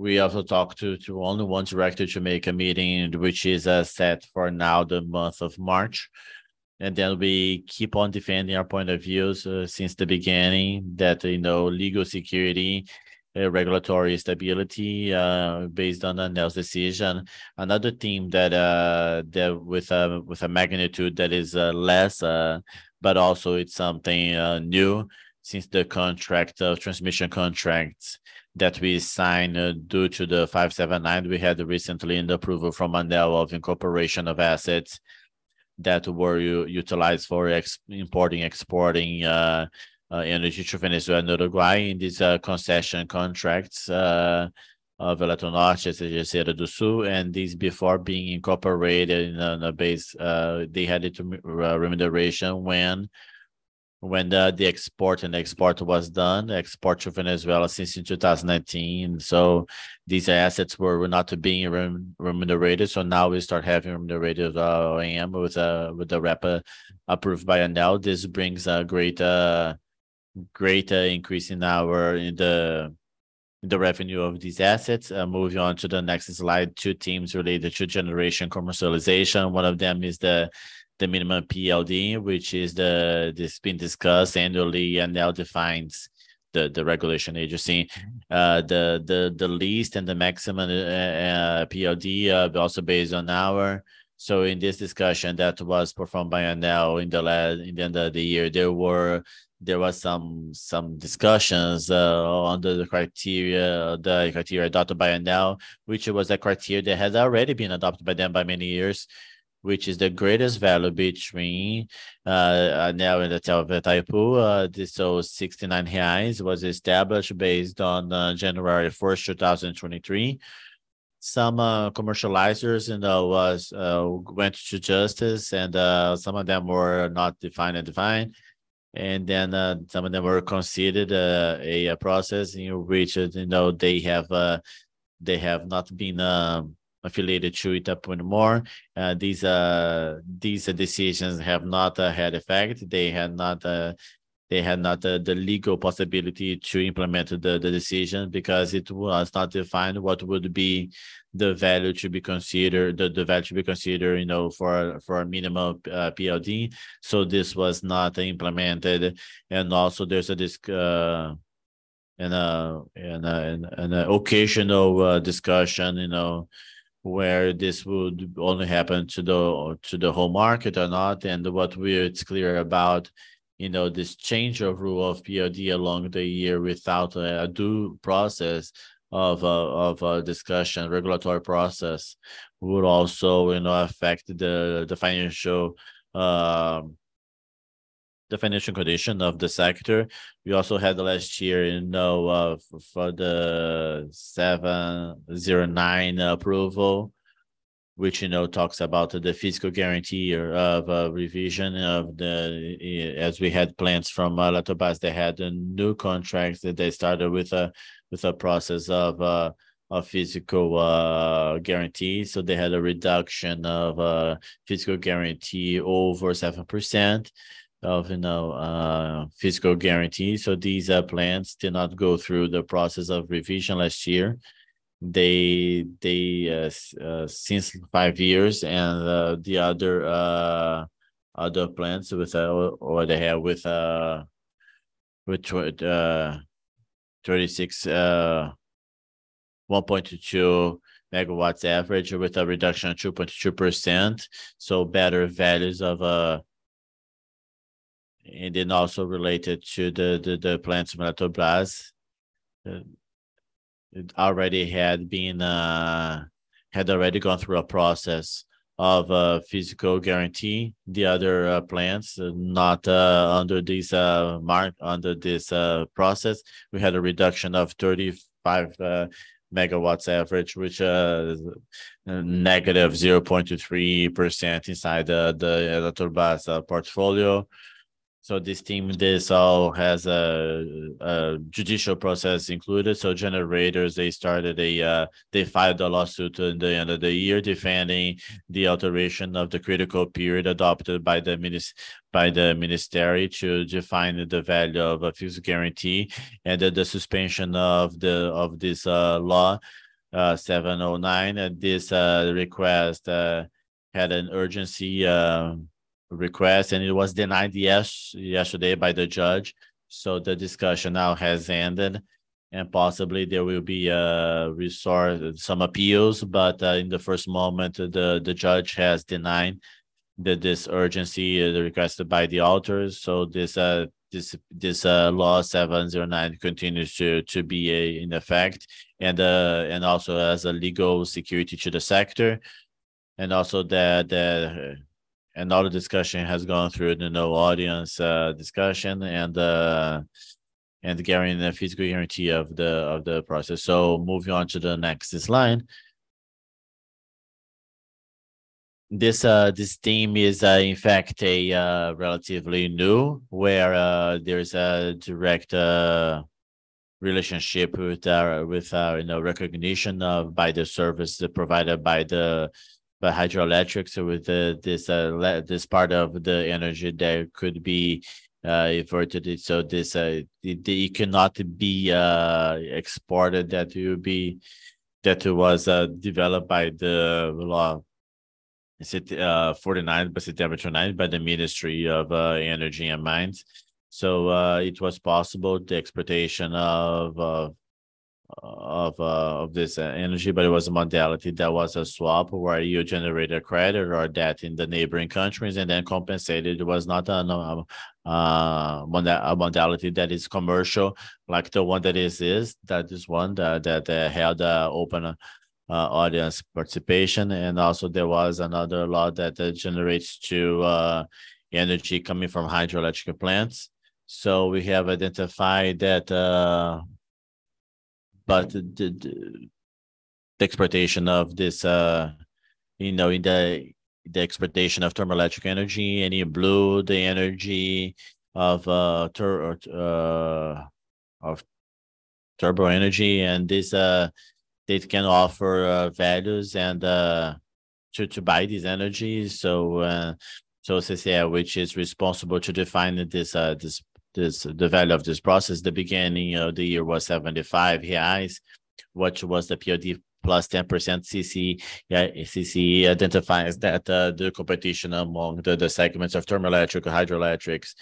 We also talked to only one director to make a meeting which is set for now the month of March. We keep on defending our point of views since the beginning that, you know, legal security, regulatory stability, based on ANEEL's decision. Another theme that with a, with a magnitude that is less, but also it's something new since the contract, transmission contracts that we signed, due to the 579 we had recently in the approval from ANEEL of incorporation of assets that were utilized for importing, exporting, energy to Venezuela and Uruguay in these concession contracts, of Eletronorte, EGE, Serra do Sul. These before being incorporated in a, in a base, they had it to remuneration when the export and export was done, export to Venezuela since in 2019. These assets were not being remunerated. Now we start having remunerated, AM with the RAP approved by ANEEL. This brings a great increase in our, in the revenue of these assets. Moving on to the next slide, two themes related to generation commercialization. One of them is the minimum PLD, which is been discussed annually, ANEEL defines the regulation agency. The least and the maximum PLD also based on our. In this discussion that was performed by ANEEL in the end of the year, there was some discussions on the criteria adopted by ANEEL, which was a criteria that has already been adopted by them by many years, which is the greatest value between ANEEL and Itaipu. This 69 reais was established based on January 1, 2023. Some commercializers, you know, was went to justice, some of them were not defined and defined. transcript of a speech given by an unknown speaker. "And then, some of them were considered a process in which, you know, they have. They have not been affiliated to it upon more. These decisions have not had effect. They had not, they had not the legal possibility to implement the decision because it was not defined what would be the value to be considered, the value to be considered, you know, for a minimum POD. So this was not implemented. And also there's this and occasional discussion, you know, where this would only happen to the whole market or not. What it's clear about, you know, this change of rule of POD along the year without a due process of discussion, regulatory process would also, you know, affect the financial, the financial condition of the sector. We also had the last year, you know, for the 709 approval, which, you know, talks about the physical guarantee or revision of the as we had plans from Jatobá, they had a new contract that they started with a process of physical guarantee. They had a reduction of physical guarantee over 7% of, you know, physical guarantee. These plans did not go through the process of revision last year. They, they, uh, uh, since five years and, uh, the other, uh, other plans with, uh, or they have with, uh, with, uh, thirty-six, uh, one point two megawatts average with a reduction of two point two percent, so better values of, uh... And then also related to the, the, the plans Latobas, uh, it already had been, uh, had already gone through a process of, uh, physical guarantee. The other, uh, plans not, uh, under this, uh, mar- under this, uh, process, we had a reduction of thirty-five, uh, megawatts average, which, uh, negative zero point two three percent inside the, the Latobas, uh, portfolio. So this team, this all has, uh, uh, judicial process included. Generators, they started, they filed a lawsuit at the end of the year defending the alteration of the critical period adopted by the ministry to define the value of a physical guarantee and the suspension of this law 709. This request had an urgency request, and it was denied yesterday by the judge. The discussion now has ended, and possibly there will be resort, some appeals. In the first moment, the judge has denied this urgency requested by the authors. This law 709 continues to be in effect, and also as a legal security to the sector. Also that, and all the discussion has gone through the no audience discussion and guaranteeing the physical guarantee of the process. Moving on to the next slide. This team is in fact a relatively new, where there is a direct relationship with, you know, recognition of by the service provided by the hydroelectric. With the, this part of the energy there could be averted. This, it cannot be exported. That would be, that was developed by the law, is it, 49, basically 79, by the Ministry of Energy and Mines. It was possible the exportation of this energy, but it was a modality that was a swap where you generate a credit or debt in the neighboring countries and then compensated. It was not a modality that is commercial like the one that is one that had open audience participation. Also there was another law that generates energy coming from hydroelectric plants. We have identified that, but the exportation of this, you know, in the exportation of thermoelectric energy, and in blue the energy of turbo energy, and this can offer values to buy these energies. CCE, which is responsible to define this the value of this process, the beginning of the year was 75 reais, which was the POD plus 10% CCE. CCE identifies that the competition among the segments of thermoelectric, hydroelectrics,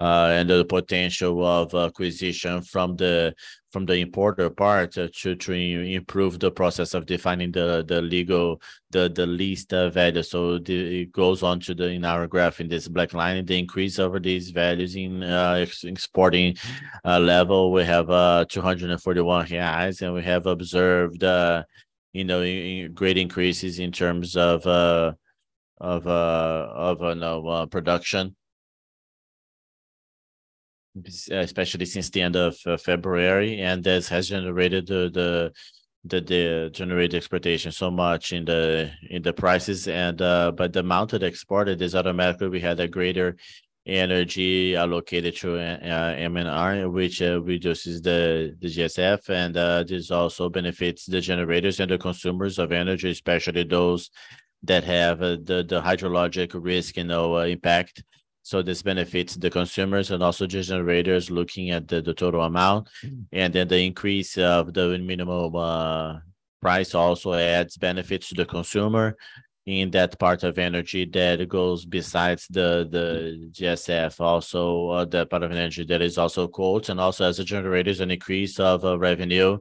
and the potential of acquisition from the importer part to improve the process of defining the legal, the least value. It goes on to the, in our graph in this black line, the increase over these values in exporting level. We have 241 reais, and we have observed, you know, great increases in terms of production. Especially since the end of February, this has generated the generated expectation so much in the prices. The amount that exported is automatically we had a greater energy allocated to M&R, which reduces the GSF, and this also benefits the generators and the consumers of energy, especially those that have the hydrologic risk and impact. This benefits the consumers and also the generators looking at the total amount. The increase of the minimum price also adds benefits to the consumer in that part of energy that goes besides the GSF. Also, that part of energy that is also called, and also as the generators, an increase of revenue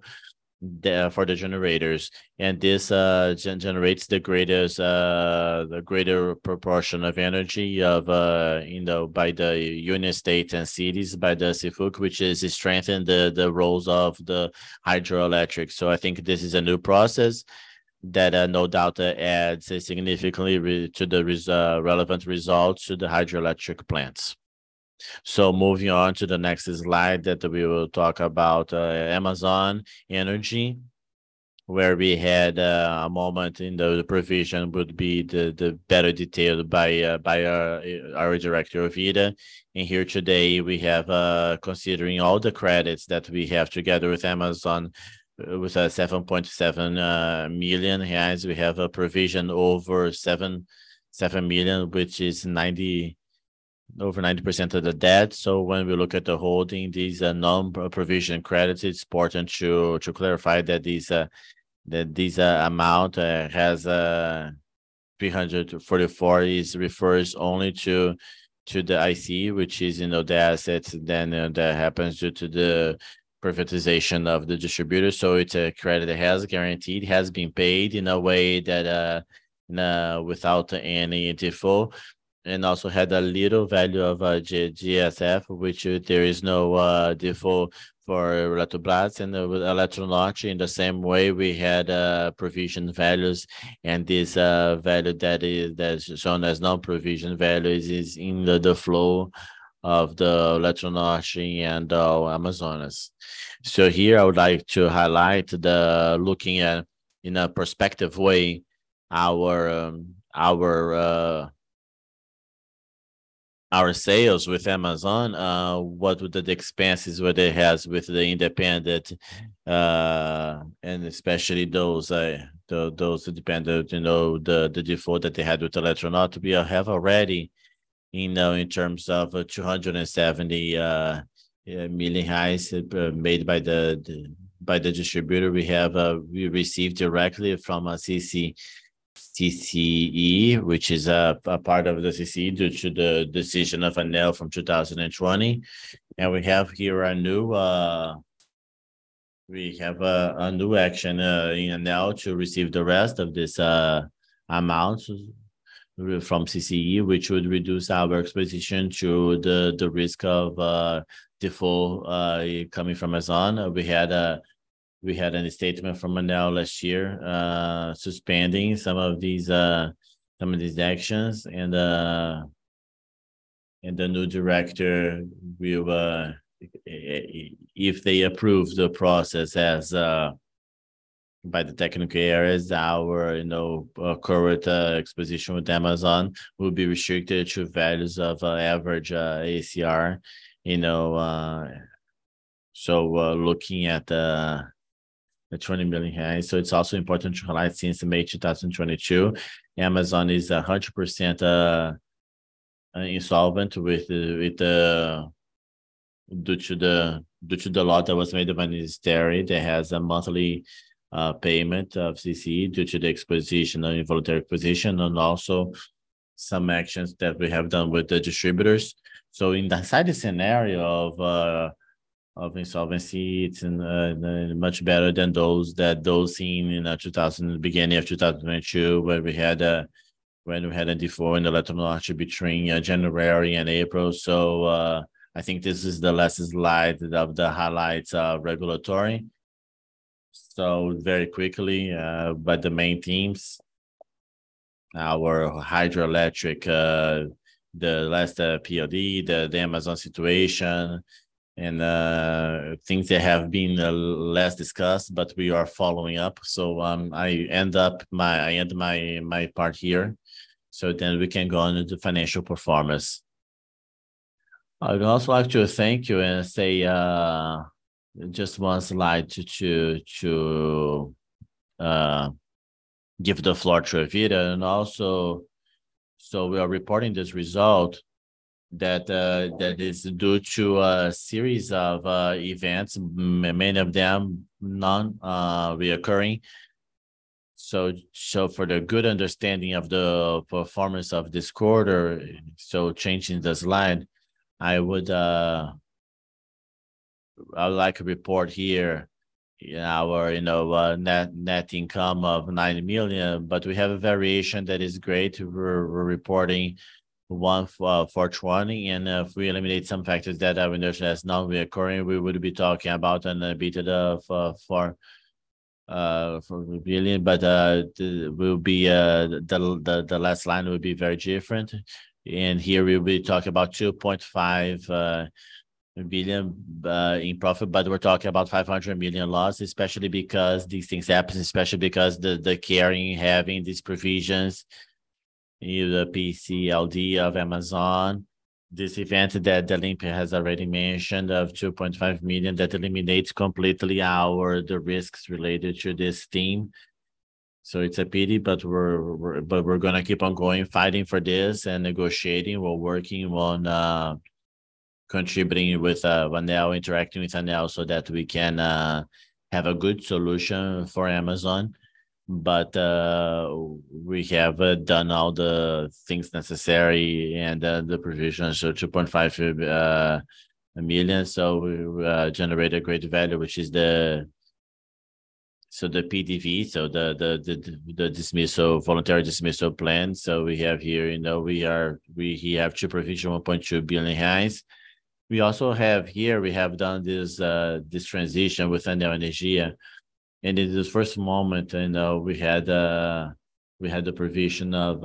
there for the generators. This generates the greatest, the greater proportion of energy of, you know, by the union state and cities, by the SIFUC, which is to strengthen the roles of the hydroelectric. I think this is a new process that, no doubt, adds significantly relevant results to the hydroelectric plants. Moving on to the next slide that we will talk about, Amazonas Energia, where we had, a moment in the provision would be the better detailed by our director, Ovida. Here today we have, considering all the credits that we have together with Amazonas with, 7.7 million reais. We have a provision over 7 million, which is over 90% of the debt. When we look at the holding, these are non-provision credits. It's important to clarify that this amount has 344 refers only to the IC, which is, you know, the assets that happens due to the privatization of the distributor. It's a credit that has guaranteed, has been paid in a way that without any default, and also had a little value of GSF, which there is no default for Eletrobras and with Eletronorte. In the same way, we had provision values and this value that is shown as non-provision values is in the flow of the Eletronorte and Amazonas. Here I would like to highlight the, looking at, in a prospective way, our sales with Amazon, what would the expenses would they has with the independent, and especially those, the, those independent, you know, the default that they had with Eletronorte. We have already, you know, in terms of 270 million reais made by the, by the distributor. We have, we received directly from CC, CCE, which is a part of the CC due to the decision of ANEEL from 2020. We have here a new, we have a new action in ANEEL to receive the rest of this amounts from CCE, which would reduce our exposition to the risk of default coming from Amazon. We had a statement from ANEEL last year, suspending some of these actions. The new director will, if they approve the process as by the technical areas, our, you know, current exposition with Amazonas Energia will be restricted to values of average ACR, you know. Looking at the 20 million reais. It's also important to highlight since May 2022, Amazonas Energia is 100% insolvent with the due to the law that was made by the ministry that has a monthly payment of CCE due to the exposition, involuntary position and also some actions that we have done with the distributors. In that side of scenario of insolvency, it's in much better than those seen in 2000, beginning of 2022, where we had a default in Eletronorte between January and April. I think this is the last slide of the highlights of regulatory. Very quickly, but the main themes, our hydroelectric, the last POD, the Amazon situation, and things that have been less discussed, but we are following up. I end my part here, so then we can go on to financial performance. I'd also like to thank you and say, just one slide to give the floor to Ovida. We are reporting this result that is due to a series of events, many of them non, reoccurring. For the good understanding of the performance of this quarter, so changing the slide, I would like to report here our, you know, net income of 9 million, but we have a variation that is great. We're reporting one for twenty, and if we eliminate some factors that I will note as non-reoccurring, we would be talking about an EBITDA of BRL 4 billion, but the last line will be very different. Here we will talk about 2.5 billion in profit, but we're talking about 500 million loss, especially because these things happen, especially because the carrying having these provisions, you know, the PCLD of Amazon. This event that Elvira Presta has already mentioned of 2.5 million, that eliminates completely our, the risks related to this team. It's a pity, but we're gonna keep on going, fighting for this and negotiating. We're working on contributing with when they are interacting with us now, so that we can have a good solution for Amazon. We have done all the things necessary and the provisions are 2.5 million. We generate a great value, which is the PDV, the dismissal, voluntary dismissal plan. We have here, you know, we are, we have two provision, 1.2 billion reais. We also have here, we have done this transition within the Energia. In this first moment, you know, we had, we had the provision of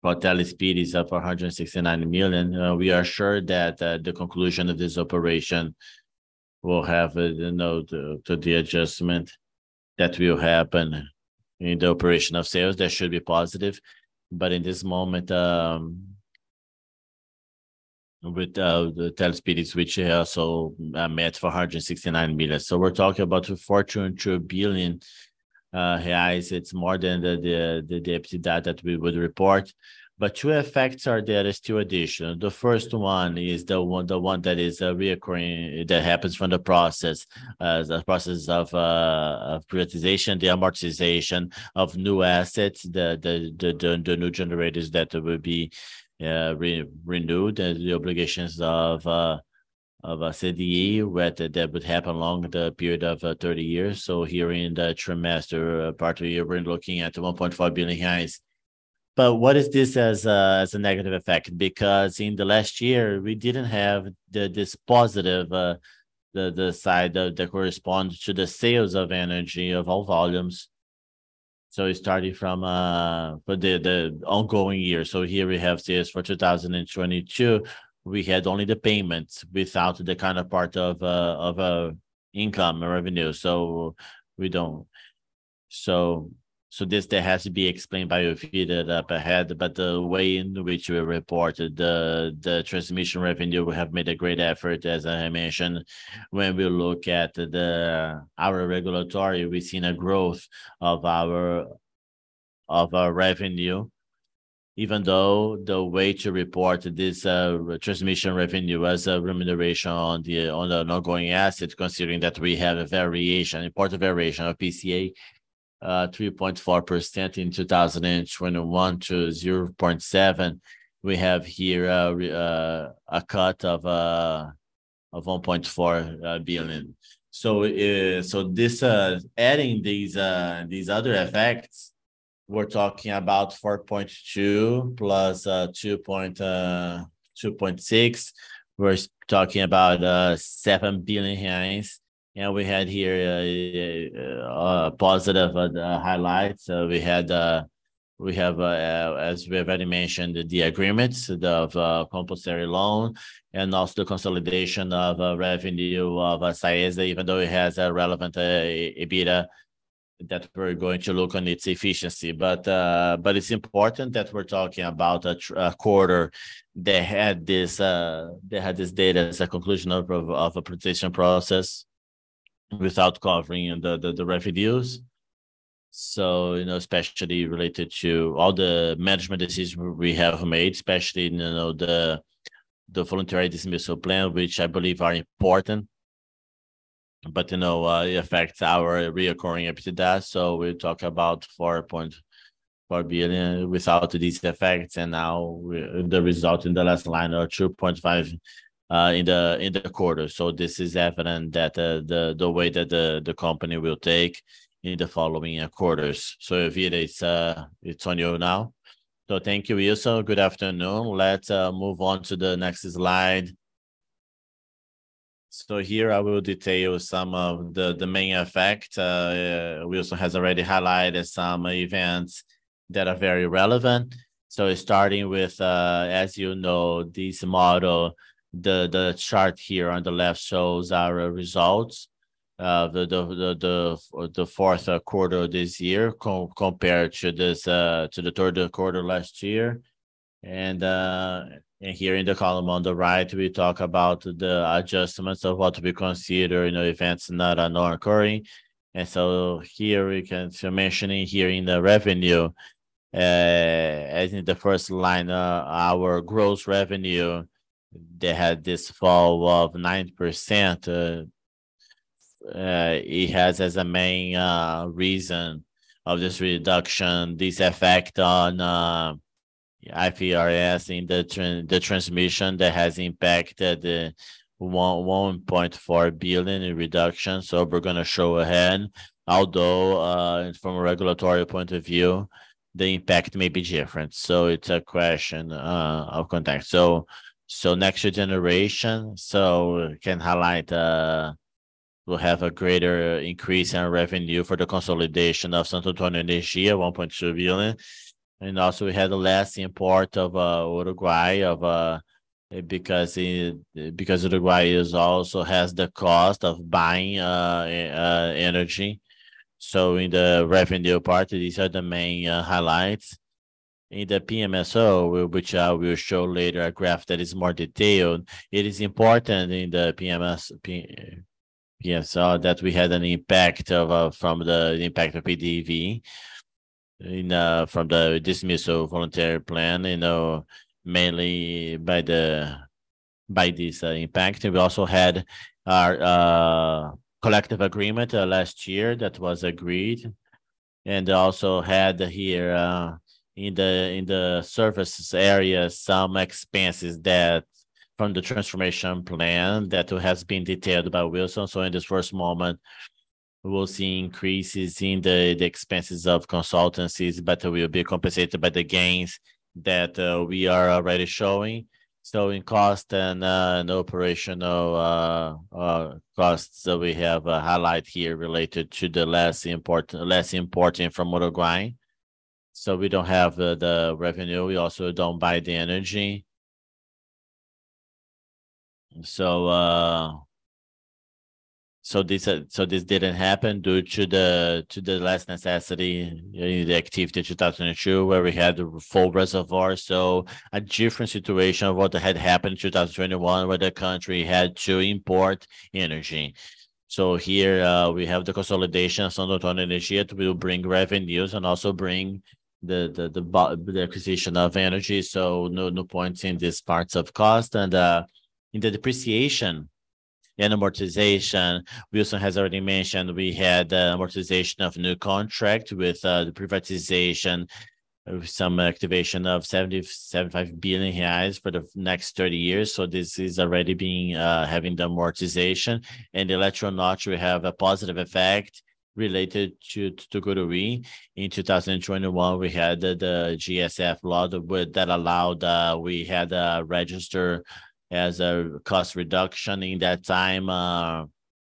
what Teles Pires is up for 169 million. We are sure that the conclusion of this operation will have, you know, the adjustment that will happen in the operation of sales. That should be positive. In this moment, with the Teles Pires, which also met for 169 million. We're talking about 4.2 billion reais. It's more than the EBITDA that we would report. Two effects are there. There's two addition. The first one is the one that is reoccurring, that happens from the process of privatization, the amortization of new assets, the new generators that will be re-renewed, and the obligations of CDE, right, that would happen along the period of 30 years. Here in the trimester part of the year, we're looking at 1.5 billion reais. What is this as a negative effect? In the last year, we didn't have this positive side that corresponds to the sales of energia of all volumes. It started from for the ongoing year. Here we have sales for 2022. We had only the payments without the kind of part of income or revenue. This, that has to be explained by Efraim up ahead. The way in which we reported the transmission revenue, we have made a great effort, as I mentioned. When we look at our regulatory, we've seen a growth of our revenue, even though the way to report this transmission revenue as a remuneration on an ongoing asset, considering that we have a variation, important variation of IPCA, 3.4% in 2021 to 0.7%. We have here a cut of 1.4 billion. Adding these other effects, we're talking about 4.2 plus 2.6. We're talking about 7 billion. You know, we had here a positive highlight. We had, we have, as we have already mentioned, the agreements of compulsory loan, and also the consolidation of revenue of SAE, even though it has a relevant EBITDA that we're going to look on its efficiency. But it's important that we're talking about a quarter that had this, that had this data as a conclusion of a presentation process without covering the revenues. You know, especially related to all the management decisions we have made, especially, you know, the voluntary dismissal plan, which I believe are important. You know, it affects our reoccurring EBITDA. We talk about 4.4 billion without these effects. With the result in the last line are 2.5 in the quarter. This is evident that the way that the company will take in the following quarters. Efraim, it's on you now. Thank you, Wilson. Good afternoon. Let's move on to the next slide. Here I will detail some of the main effect. Wilson has already highlighted some events that are very relevant. Starting with, as you know, this model, the chart here on the left shows our results of the fourth quarter of this year compared to this to the third quarter last year. Here in the column on the right, we talk about the adjustments of what we consider, you know, events not occurring. Mentioning here in the revenue, as in the first line, our gross revenue, they had this fall of 9%. It has as a main reason of this reduction, this effect on IFRS in the transmission that has impacted 1.4 billion in reduction. We're gonna show ahead, although, from a regulatory point of view, the impact may be different. It's a question of context. Next generation, can highlight, We'll have a greater increase in revenue for the consolidation of Santo Antônio Energia, 1.2 billion. Also, we had less import of Uruguay of. Uruguay is also has the cost of buying energy. In the revenue part, these are the main highlights. In the PMSO, which I will show later a graph that is more detailed, it is important in the PMSO that we had an impact of from the impact of PDV in from the dismissal voluntary plan, you know, mainly by this impact. We also had our collective agreement last year that was agreed. Also had here in the surface area some expenses that from the transformation plan that has been detailed by Wilson. In this first moment, we'll see increases in the expenses of consultancies, but we'll be compensated by the gains that we are already showing. In cost and in operational costs that we have highlighted here related to the less import, less importing from Uruguay. We don't have the revenue. We also don't buy the energy. This didn't happen due to the less necessity in the activity 2002, where we had the full reservoir. A different situation of what had happened 2021, where the country had to import energy. Here, we have the consolidation of Santo Antônio Energia. It will bring revenues and also bring the acquisition of energy. No points in these parts of cost. In the depreciation and amortization, Wilson has already mentioned we had amortization of new contract with the privatization of some activation of 7.75 billion reais for the next 30 years. This is already being having the amortization. In Eletronorte, we have a positive effect related to Tucuruí. In 2021, we had the GSF law that allowed we had to register as a cost reduction in that time.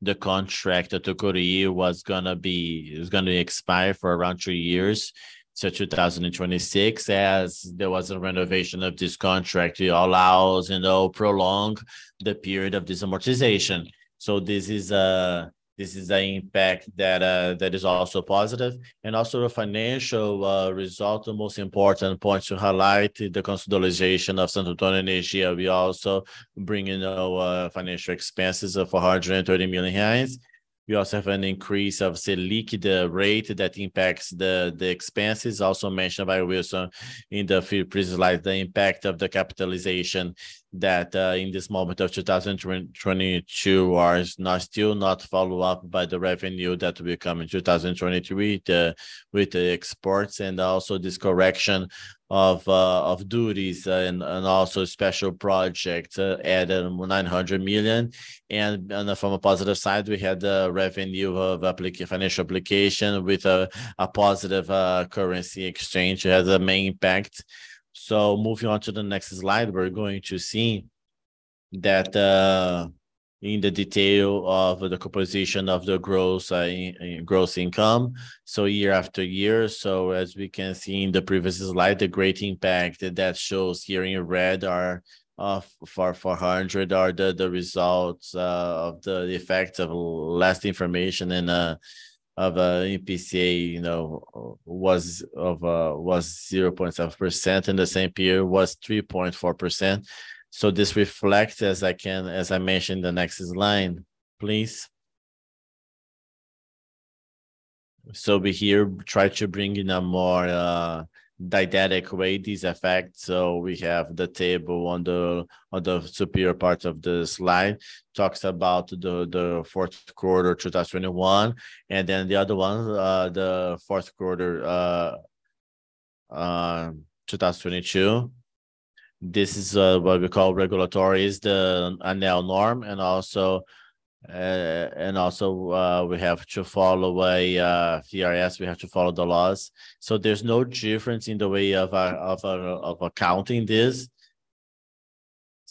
The contract at Tucuruí it was gonna expire for around two years, so 2026. As there was a renovation of this contract, it allows, you know, prolong the period of this amortization. This is an impact that that is also positive. The financial result, the most important point to highlight, the consolidation of Santo Antônio Energia. We also bring in our financial expenses of 130 million reais. We also have an increase of Selic, the rate that impacts the expenses also mentioned by Wilson in the previous slide. The impact of the capitalization that in this moment of 2022 are still not followed up by the revenue that will come in 2023 with the exports and also this correction of duties and also special project added 900 million. From a positive side, we had the revenue of financial application with a positive currency exchange as a main impact. Moving on to the next slide, we're going to see that in the detail of the composition of the gross gross income, year-after-year. As we can see in the previous slide, the great impact that shows here in red are 400, the results of the effect of less information and of IPCA, you know, was 0.7%. In the same period, was 3.4%. This reflects, as I mentioned, the next slide, please. We here try to bring in a more didactic way these effects. We have the table on the superior part of the slide, talks about the fourth quarter 2021. The other one, the fourth quarter 2022. This is what we call regulatory, is the now norm and also we have to follow a CRS, we have to follow the laws. There's no difference in the way of accounting this.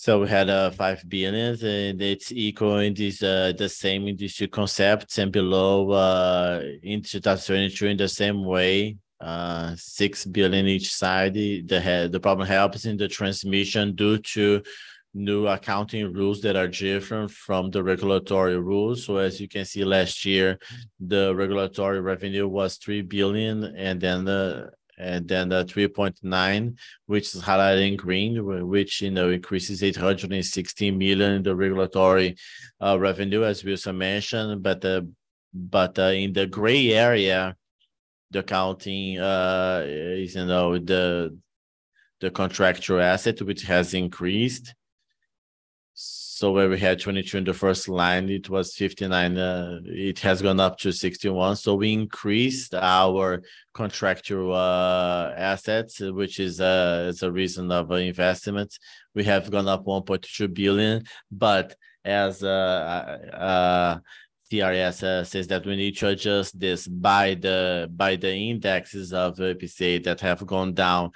We had 5 billion, and it's equal in this, the same industry concepts. Below, in 2022, in the same way, 6 billion each side. The problem helps in the transmission due to new accounting rules that are different from the regulatory rules. As you can see, last year, the regulatory revenue was 3 billion and then 3.9 billion, which is highlighted in green, which, you know, increases 860 million in the regulatory revenue, as Wilson mentioned. In the gray area, the accounting is, you know, the contractual asset, which has increased. Where we had 22 in the first line, it was 59. It has gone up to 61. We increased our contractual assets, which is a reason of investments. We have gone up 1.2 billion. As CRS says that we need to adjust this by the indexes of IPCA that have gone down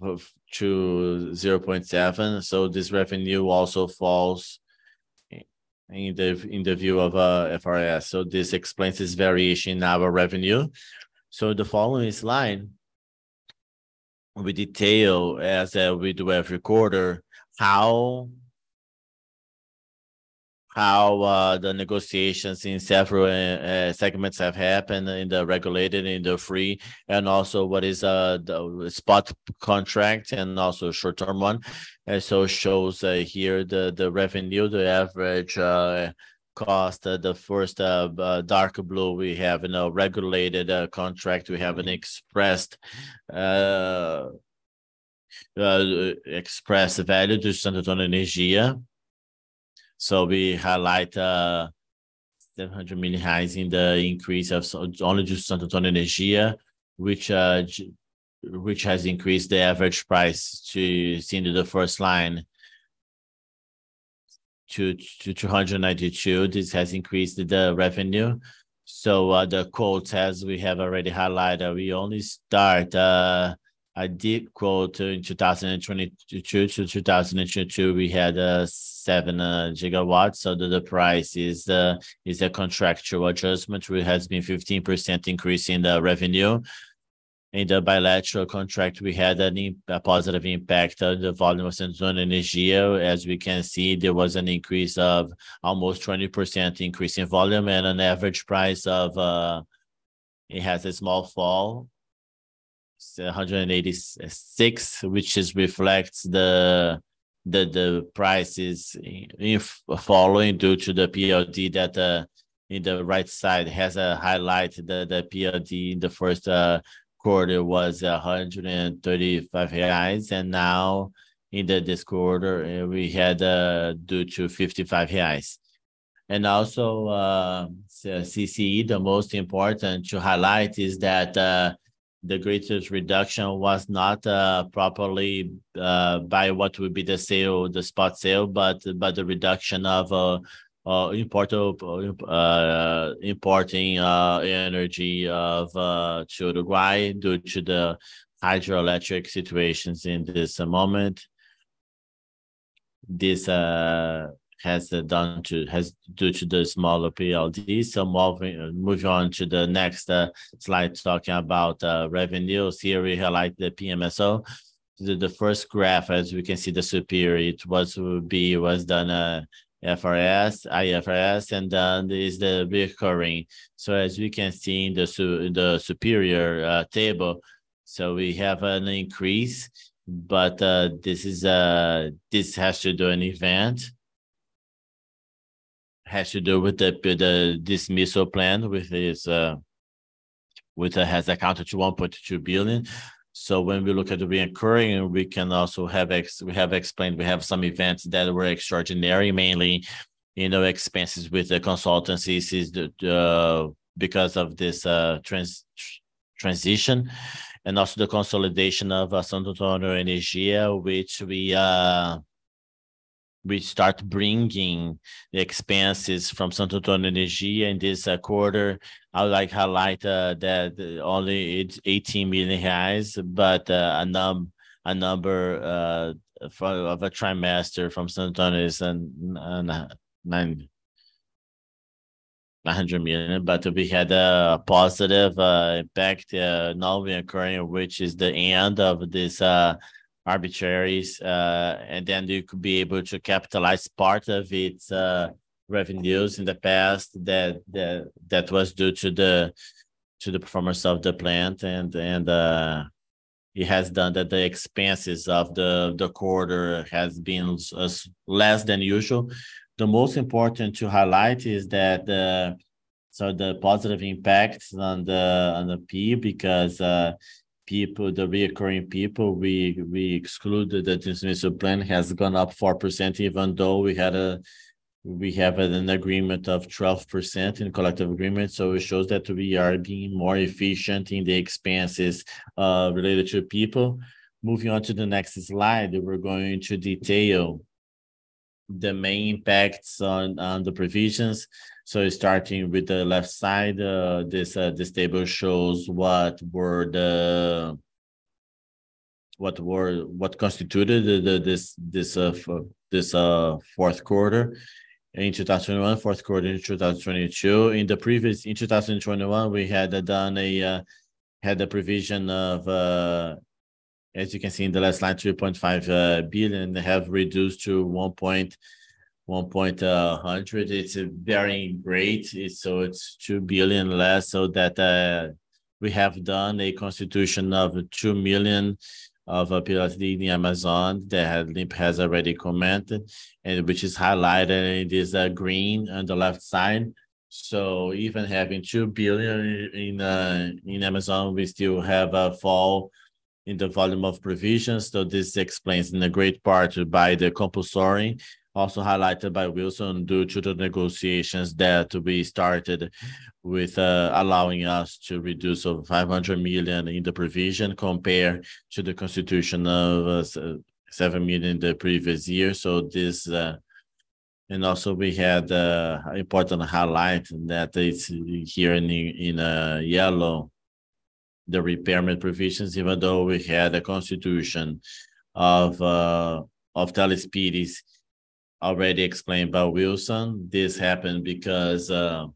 to 0.7, this revenue also falls in the view of IFRS. This explains this variation in our revenue. The following slide, we detail, as we do every quarter, how the negotiations in several segments have happened in the regulated, in the free, and also what is the spot contract and also short-term one. It shows here the revenue, the average cost. The first darker blue, we have a regulated contract. We have an expressed value to Santo Antônio Energia. We highlight 700 million BRL in the increase of only to Santo Antônio Energia, which has increased the average price to. Seen in the first line, to 292. This has increased the revenue. The quotes, as we have already highlighted, we only start a deep quote in 2022. 2022, we had seven gigawatts. The price is a contractual adjustment, which has been 15% increase in the revenue. In the bilateral contract, we had a positive impact on the volume of Santo Antônio Energia. As we can see, there was an increase of almost 20% increase in volume and an average price of. It has a small fall, 186, which reflects the prices following due to the PLD that in the right side has highlighted the PLD in the 1st quarter was 135 reais. Now in this quarter, we had due to 55 reais. CCE, the most important to highlight is that the greatest reduction was not properly by what would be the sale, the spot sale, but the reduction of import of importing energy to Uruguay due to the hydroelectric situations in this moment. This due to the smaller PLD. Moving on to the next slide, talking about revenue. Here we highlight the PMSO. The first graph, as we can see, the superior, was done FRAS, IFRS, there's the recurring. As we can see in the superior table, we have an increase, but this is this has to do an event, has to do with the dismissal plan, which has accounted to 1.2 billion. When we look at the recurring, we can also have explained, we have some events that were extraordinary, mainly, you know, expenses with the consultancies, the, because of this transition, and also the consolidation of Santo Antônio Energia, which we start bringing the expenses from Santo Antônio Energia in this quarter. I would like highlight that only it's 80 million reais, but a number of a trimester from Santo Antônio is 900 million. We had a positive impact now reoccurring, which is the end of this arbitraries. We could be able to capitalize part of its revenues in the past that was due to the performance of the plant. It has done that. The expenses of the quarter has been less than usual. The most important to highlight is that the positive impacts on the P because people, the recurring people, we excluded the dismissive plan has gone up 4%, even though we have an agreement of 12% in collective agreement. It shows that we are being more efficient in the expenses related to people. Moving on to the next slide, we're going to detail the main impacts on the provisions. Starting with the left side, this table shows what constituted this fourth quarter in 2021, fourth quarter in 2022. In the previous, in 2021, we had done a provision of, as you can see in the last line, 2.5 billion. They have reduced to one point hundred. It's a very great, it's 2 billion less, we have done a constitution of 2 million of PLD in the Amazon that Limp has already commented and which is highlighted. It is green on the left side. Even having 2 billion in Amazonas Energia, we still have a fall in the volume of provisions. This explains in a great part by the compulsory, also highlighted by Wilson, due to the negotiations that we started with, allowing us to reduce 500 million in the provision compared to the constitution of 7 million the previous year. Also we had important highlight that is here in yellow. The repairment provisions, even though we had a constitution of Teles Pires already explained by Wilson. This happened because the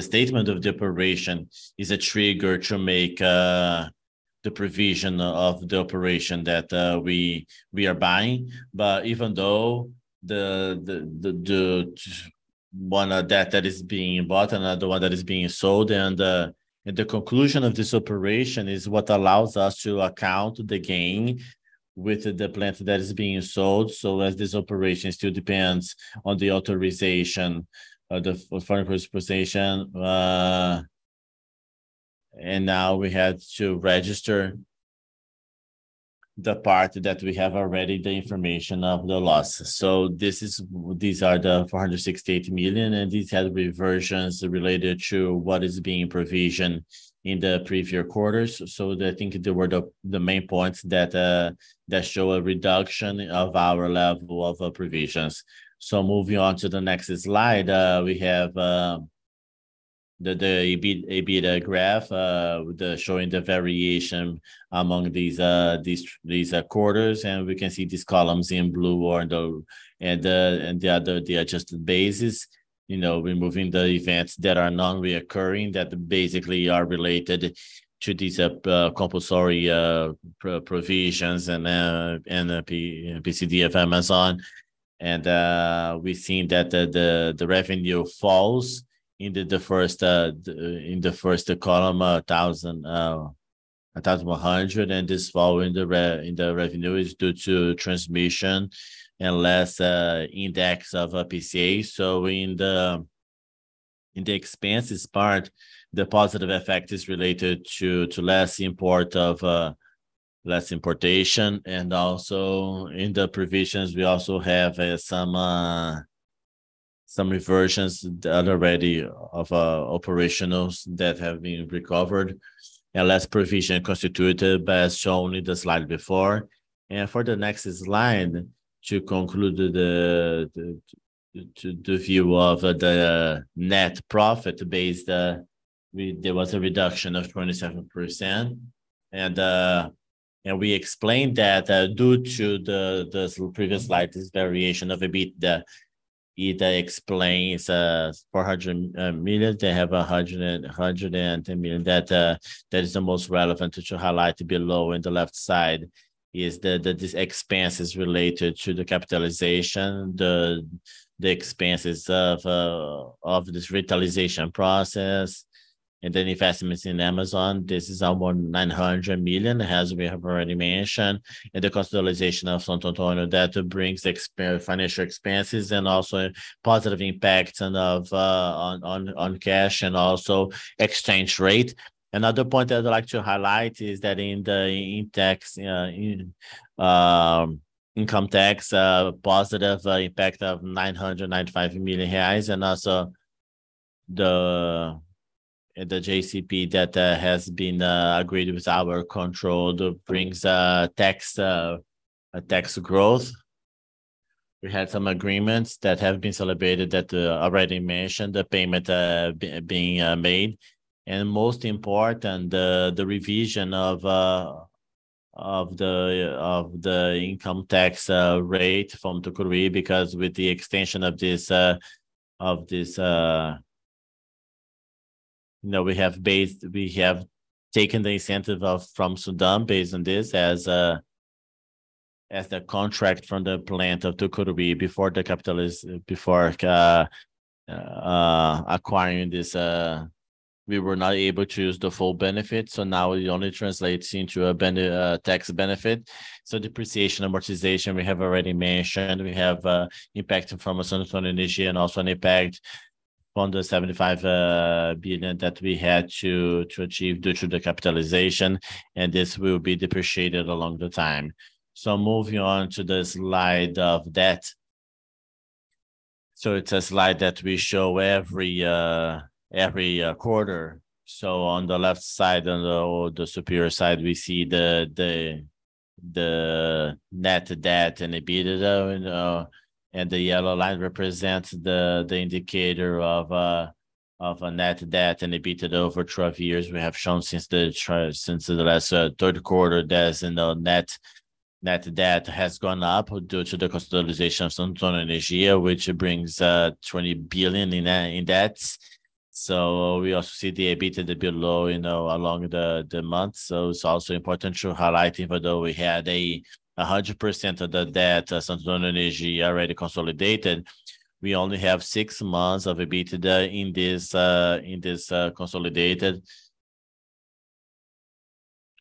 statement of the operation is a trigger to make the provision of the operation that we are buying. Even though the one debt that is being bought and the other one that is being sold, and the conclusion of this operation is what allows us to account the gain with the plant that is being sold. As this operation still depends on the authorization of the foreign participation. And now we had to register the part that we have already the information of the losses. These are 468 million, and these had reversions related to what is being provisioned in the previous quarters. I think they were the main points that show a reduction of our level of provisions. Moving on to the next slide, we have the EBITDA graph, showing the variation among these quarters. We can see these columns in blue are the and the other, the adjusted basis, you know, removing the events that are non-reoccurring, that basically are related to these compulsory provisions and the PCD of Amazon. We've seen that the revenue falls into the first in the first column, 1,100. This fall in the revenue is due to transmission and less index of PCA. In the expenses part, the positive effect is related to less import of less importation. Also in the provisions, we also have some reversions already of operationals that have been recovered and less provision constituted by as shown in the slide before. For the next slide, to conclude the view of the net profit based, there was a reduction of 27%. We explained that due to the previous slide, this variation of EBITDA. EBITDA explains 400 million. They have 110 million. That is the most relevant to highlight below in the left side is these expenses related to the capitalization, the expenses of this retailization process, and the investments in Amazon. This is our 900 million, as we have already mentioned. The consolidation of Santo Antônio that brings financial expenses and also a positive impact on cash and also exchange rate. Another point I'd like to highlight is that in the income tax, positive impact of 995 million reais, and also the JCP that has been agreed with our control brings tax growth. We had some agreements that have been celebrated that already mentioned, the payment being made. Most important, the revision of the income tax rate from Tucuruí, because with the extension of this... You know, we have taken the incentive of from Sudam based on this as the contract from the plant of Tucuruí before the capital is before acquiring this, we were not able to use the full benefit. Now it only translates into a tax benefit. Depreciation, amortization, we have already mentioned. We have impact from Santo Antônio Energia, and also an impact on the 75 billion that we had to achieve due to the capitalization, and this will be depreciated along the time. Moving on to the slide of debt. It's a slide that we show every quarter. On the left side, on the superior side, we see the net debt and EBITDA, you know. The yellow line represents the indicator of a net debt and EBITDA over 12 years. We have shown since the last third quarter that's in the net debt has gone up due to the consolidation of Santo Antônio Energia, which brings 20 billion in debts. We also see the EBITDA below, along the month. It's also important to highlight, even though we had a 100% of the debt, Santo Antônio Energia already consolidated, we only have six months of EBITDA in this consolidated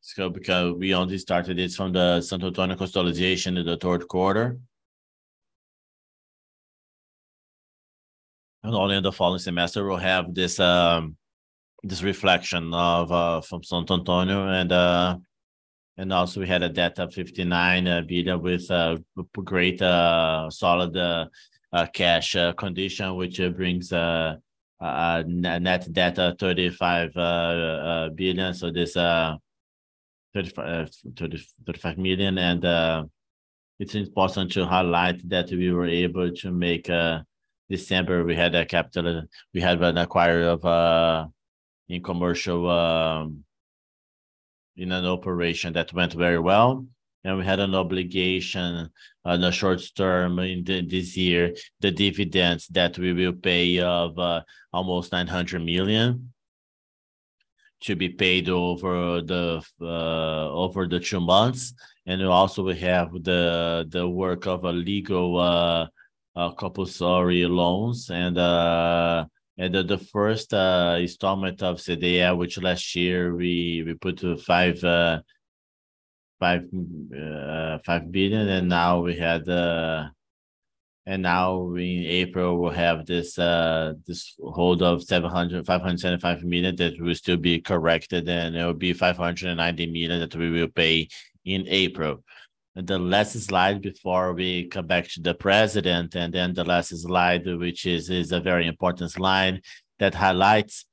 scope, because we only started this from the Santo Antônio consolidation in the third quarter. Only in the following semester we'll have this reflection from Santo Antônio. Also we had a debt of 59 billion with great, solid cash condition, which brings a net debt of 35 billion. This 35 million. It's important to highlight that we were able to make December we had an acquire in commercial in an operation that went very well. We had an obligation on a short term in this year, the dividends that we will pay of almost 900 million to be paid over the two months. Also, we have the work of a legal compulsory loans and the first installment of CDE, which last year we put 5 billion. Now in April, we'll have this hold of 700, 575 million that will still be corrected, and it will be 590 million that we will pay in April. The last slide before we come back to the President, the last slide, which is a very important slide that highlights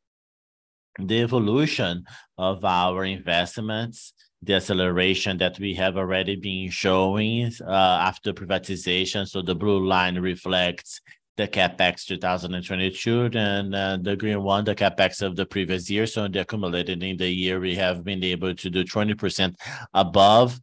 the evolution of our investments, the acceleration that we have already been showing, after privatization. The blue line reflects the CapEx 2022, and the green one, the CapEx of the previous year. In the accumulated in the year, we have been able to do 20% above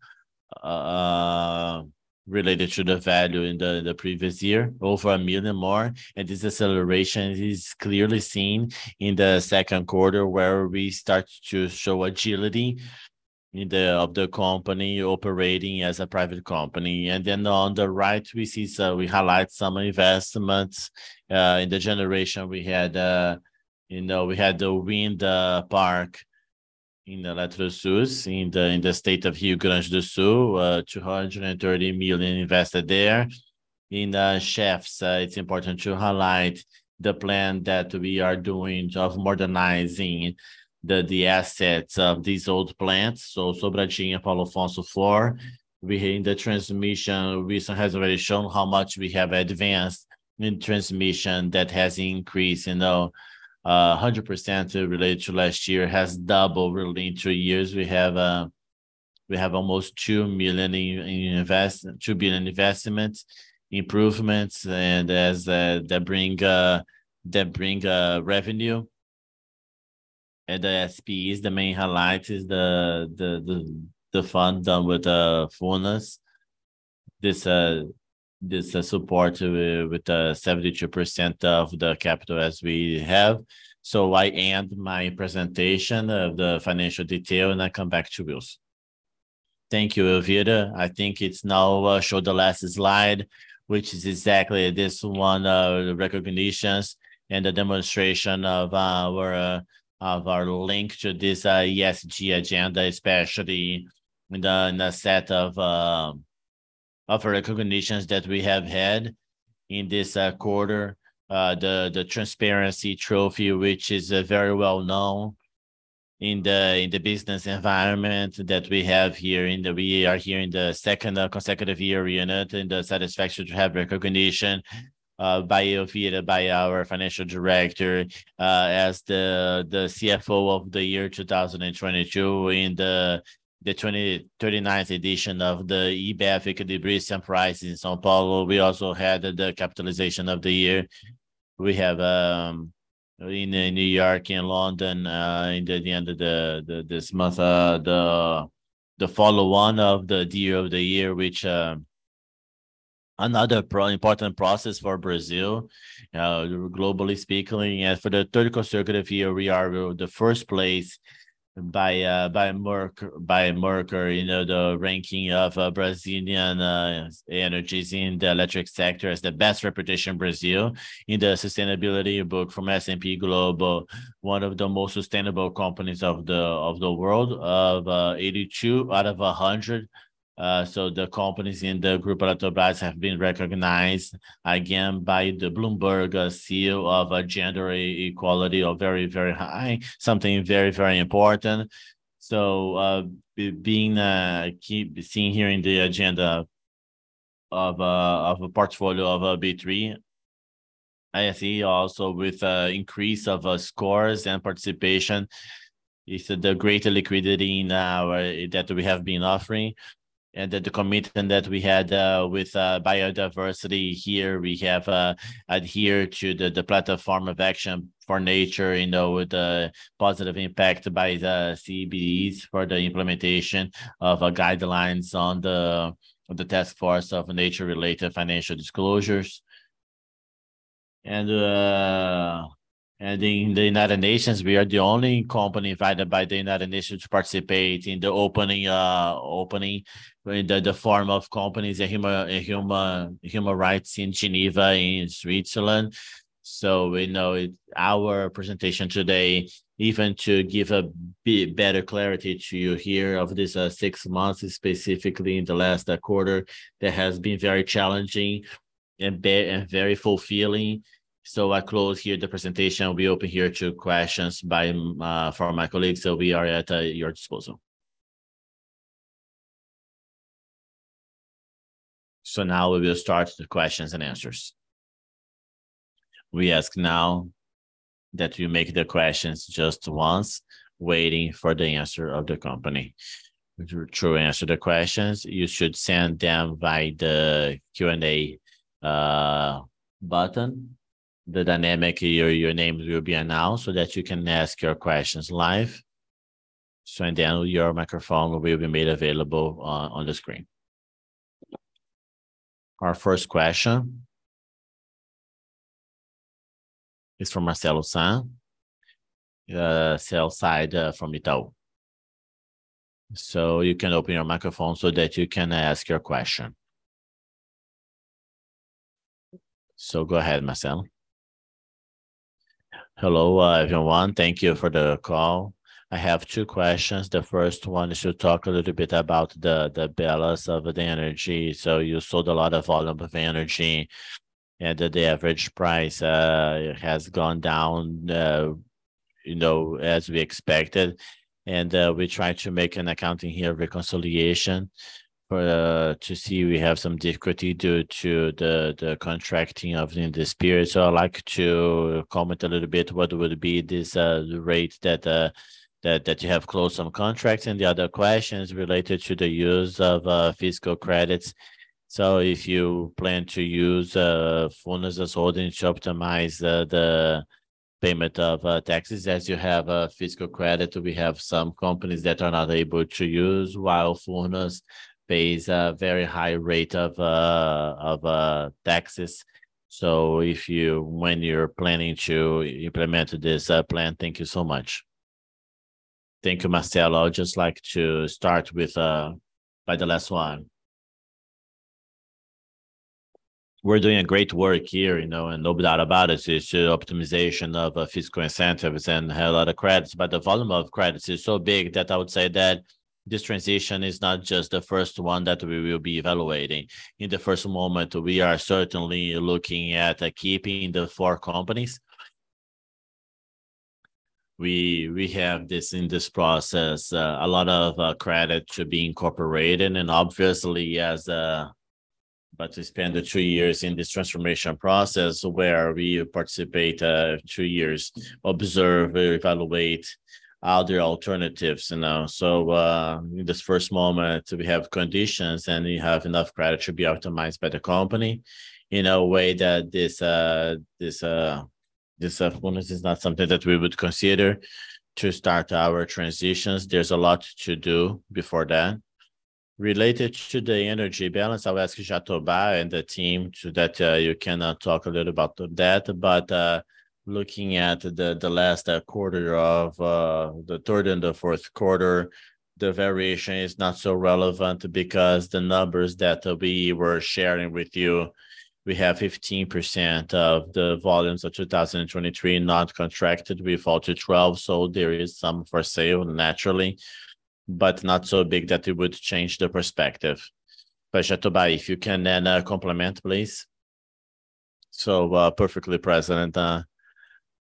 related to the value in the previous year, over 1 million more. This acceleration is clearly seen in the second quarter, where we start to show agility of the company operating as a private company. On the right, we highlight some investments. In the generation we had, you know, we had the wind park in the Eletrosul in the state of Rio Grande do Sul, 230 million invested there. In chefs, it's important to highlight the plan that we are doing of modernizing the assets of these old plants, Sobradinho, Paulo Afonso IV. We, in the transmission recent has already shown how much we have advanced in transmission that has increased, you know, 100% related to last year, has doubled really in two years. We have almost 2 billion investments, improvements and as that bring revenue. The SPE is the main highlight is the fund done with the Furnas. This support with 72% of the capital as we have. I end my presentation of the financial detail, and I come back to Wilson. Thank you, Elvira. I think it's now show the last slide, which is exactly this one, recognitions and the demonstration of our link to this ESG agenda, especially in the set of recognitions that we have had in this quarter. The transparency trophy, which is very well-known in the business environment that we have here. We are here in the second consecutive year, you know, and the satisfaction to have recognition by Elvira, by our Financial Director, as the CFO of the year 2022 in the 23rd edition of the EBFEK Debrecen Prize in São Paulo. We also had the capitalization of the year. We have in New York and London in the end of this month the follow on of the deal of the year which another important process for Brazil, globally speaking. For the third consecutive year, we are the first place by Merco, you know, the ranking of Brazilian energies in the electric sector as the best reputation Brazil in the sustainability book from S&P Global, one of the most sustainable companies of the world of 82 out of 100. The companies in the Group Eletrobras have been recognized again by the Bloomberg Seal of Gender Equality of very, very high, something very, very important. Being seeing here in the agenda of a portfolio of B3. ISE also with increase of scores and participation is the greater liquidity now that we have been offering. The commitment that we had with biodiversity here, we have adhered to the Plateau Form of Action for Nature, you know, with the positive impact by the CBEs for the implementation of guidelines on the task force of nature-related financial disclosures. In the United Nations, we are the only company invited by the United Nations to participate in the opening the form of companies in human rights in Geneva, in Switzerland. We know our presentation today, even to give better clarity to you here of this six months, specifically in the last quarter, that has been very challenging and very fulfilling. I close here the presentation. We open here to questions from my colleagues. We are at your disposal. Now we will start the questions and answers. We ask now that you make the questions just once, waiting for the answer of the company. To answer the questions, you should send them via the Q&A button. The dynamic, your name will be announced so that you can ask your questions live. Then your microphone will be made available on the screen. Our first question is from Marcelo Sá, sell side, from Itaú. You can open your microphone so that you can ask your question. Go ahead, Marcelo. Hello, everyone. Thank you for the call. I have two questions. The first one is to talk a little bit about the balance of the energy. You sold a lot of volume of energy, and that the average price has gone down, you know, as we expected. We try to make an accounting here, reconciliation for to see we have some difficulty due to the contracting of in this period. I'd like to comment a little bit what would be this rate that you have closed some contracts. The other question is related to the use of fiscal credits. If you plan to use Furnas as holding to optimize the payment of taxes as you have a fiscal credit. We have some companies that are not able to use, while Furnas pays a very high rate of taxes. When you're planning to implement this plan. Thank you so much. Thank you, Marcelo. I would just like to start with by the last one. We're doing a great work here, you know. No doubt about it. It's the optimization of fiscal incentives and a lot of credits. The volume of credits is so big that I would say that this transition is not just the first one that we will be evaluating. In the first moment, we are certainly looking at keeping the four companies. We have this, in this process, a lot of credit to be incorporated. Obviously as about to spend the two years in this transformation process where we participate, two years, observe, evaluate other alternatives, you know. In this first moment, we have conditions, and we have enough credit to be optimized by the company in a way that this Furnas is not something that we would consider to start our transitions. There's a lot to do before that. Related to the energy balance, I'll ask Jatobá and the team so that you can talk a little about that. Looking at the last quarter of the third and the fourth quarter, the variation is not so relevant because the numbers that we were sharing with you, we have 15% of the volumes of 2023 not contracted. We fall to 12, there is some for sale, naturally, but not so big that it would change the perspective. Jatobá, if you can then complement, please. Perfectly, President.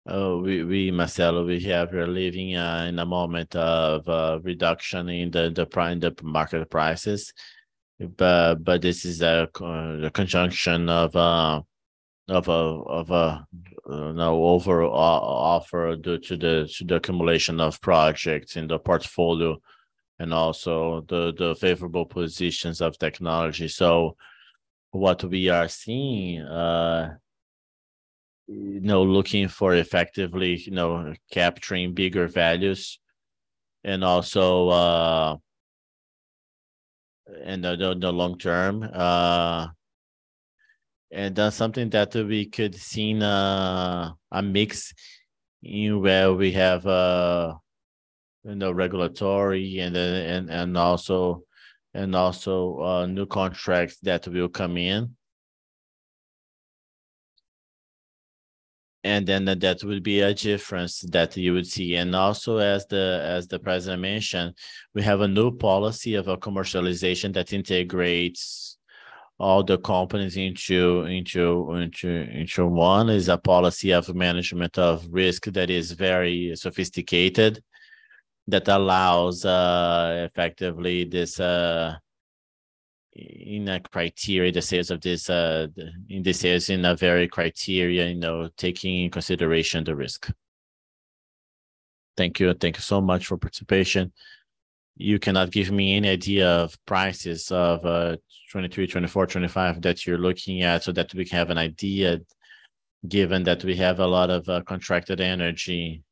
Marcelo, we're living in a moment of reduction in the market prices, but this is a conjunction of, you know, over offer due to the accumulation of projects in the portfolio and also the favorable positions of technology. What we are seeing, you know, looking for effectively, you know, capturing bigger values and also in the long term, and that's something that we could seen a mix, you know, where we have, you know, regulatory and also new contracts that will come in. That will be a difference that you would see. Also, as the president mentioned, we have a new policy of a commercialization that integrates all the companies into one. Is a policy of management of risk that is very sophisticated that allows effectively this in a criteria, the sales of this in the sales in a very criteria, you know, taking into consideration the risk. Thank you. Thank you so much for participation. You cannot give me any idea of prices of 23, 24, 25 that you're looking at so that we can have an idea, given that we have a lot of contracted energy.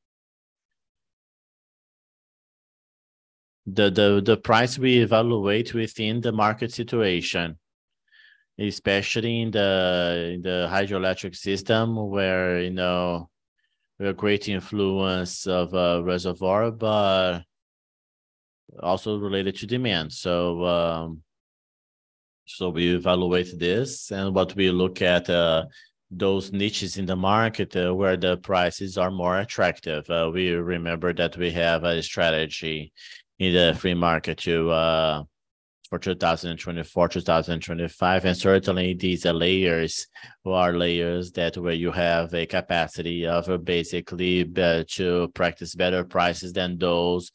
The price we evaluate within the market situation, especially in the hydroelectric system where, you know, we have great influence of a reservoir, but also related to demand. We evaluate this and what we look at those niches in the market where the prices are more attractive. We remember that we have a strategy in the free market for 2024, 2025, and certainly these layers are layers that where you have a capacity of basically to practice better prices than those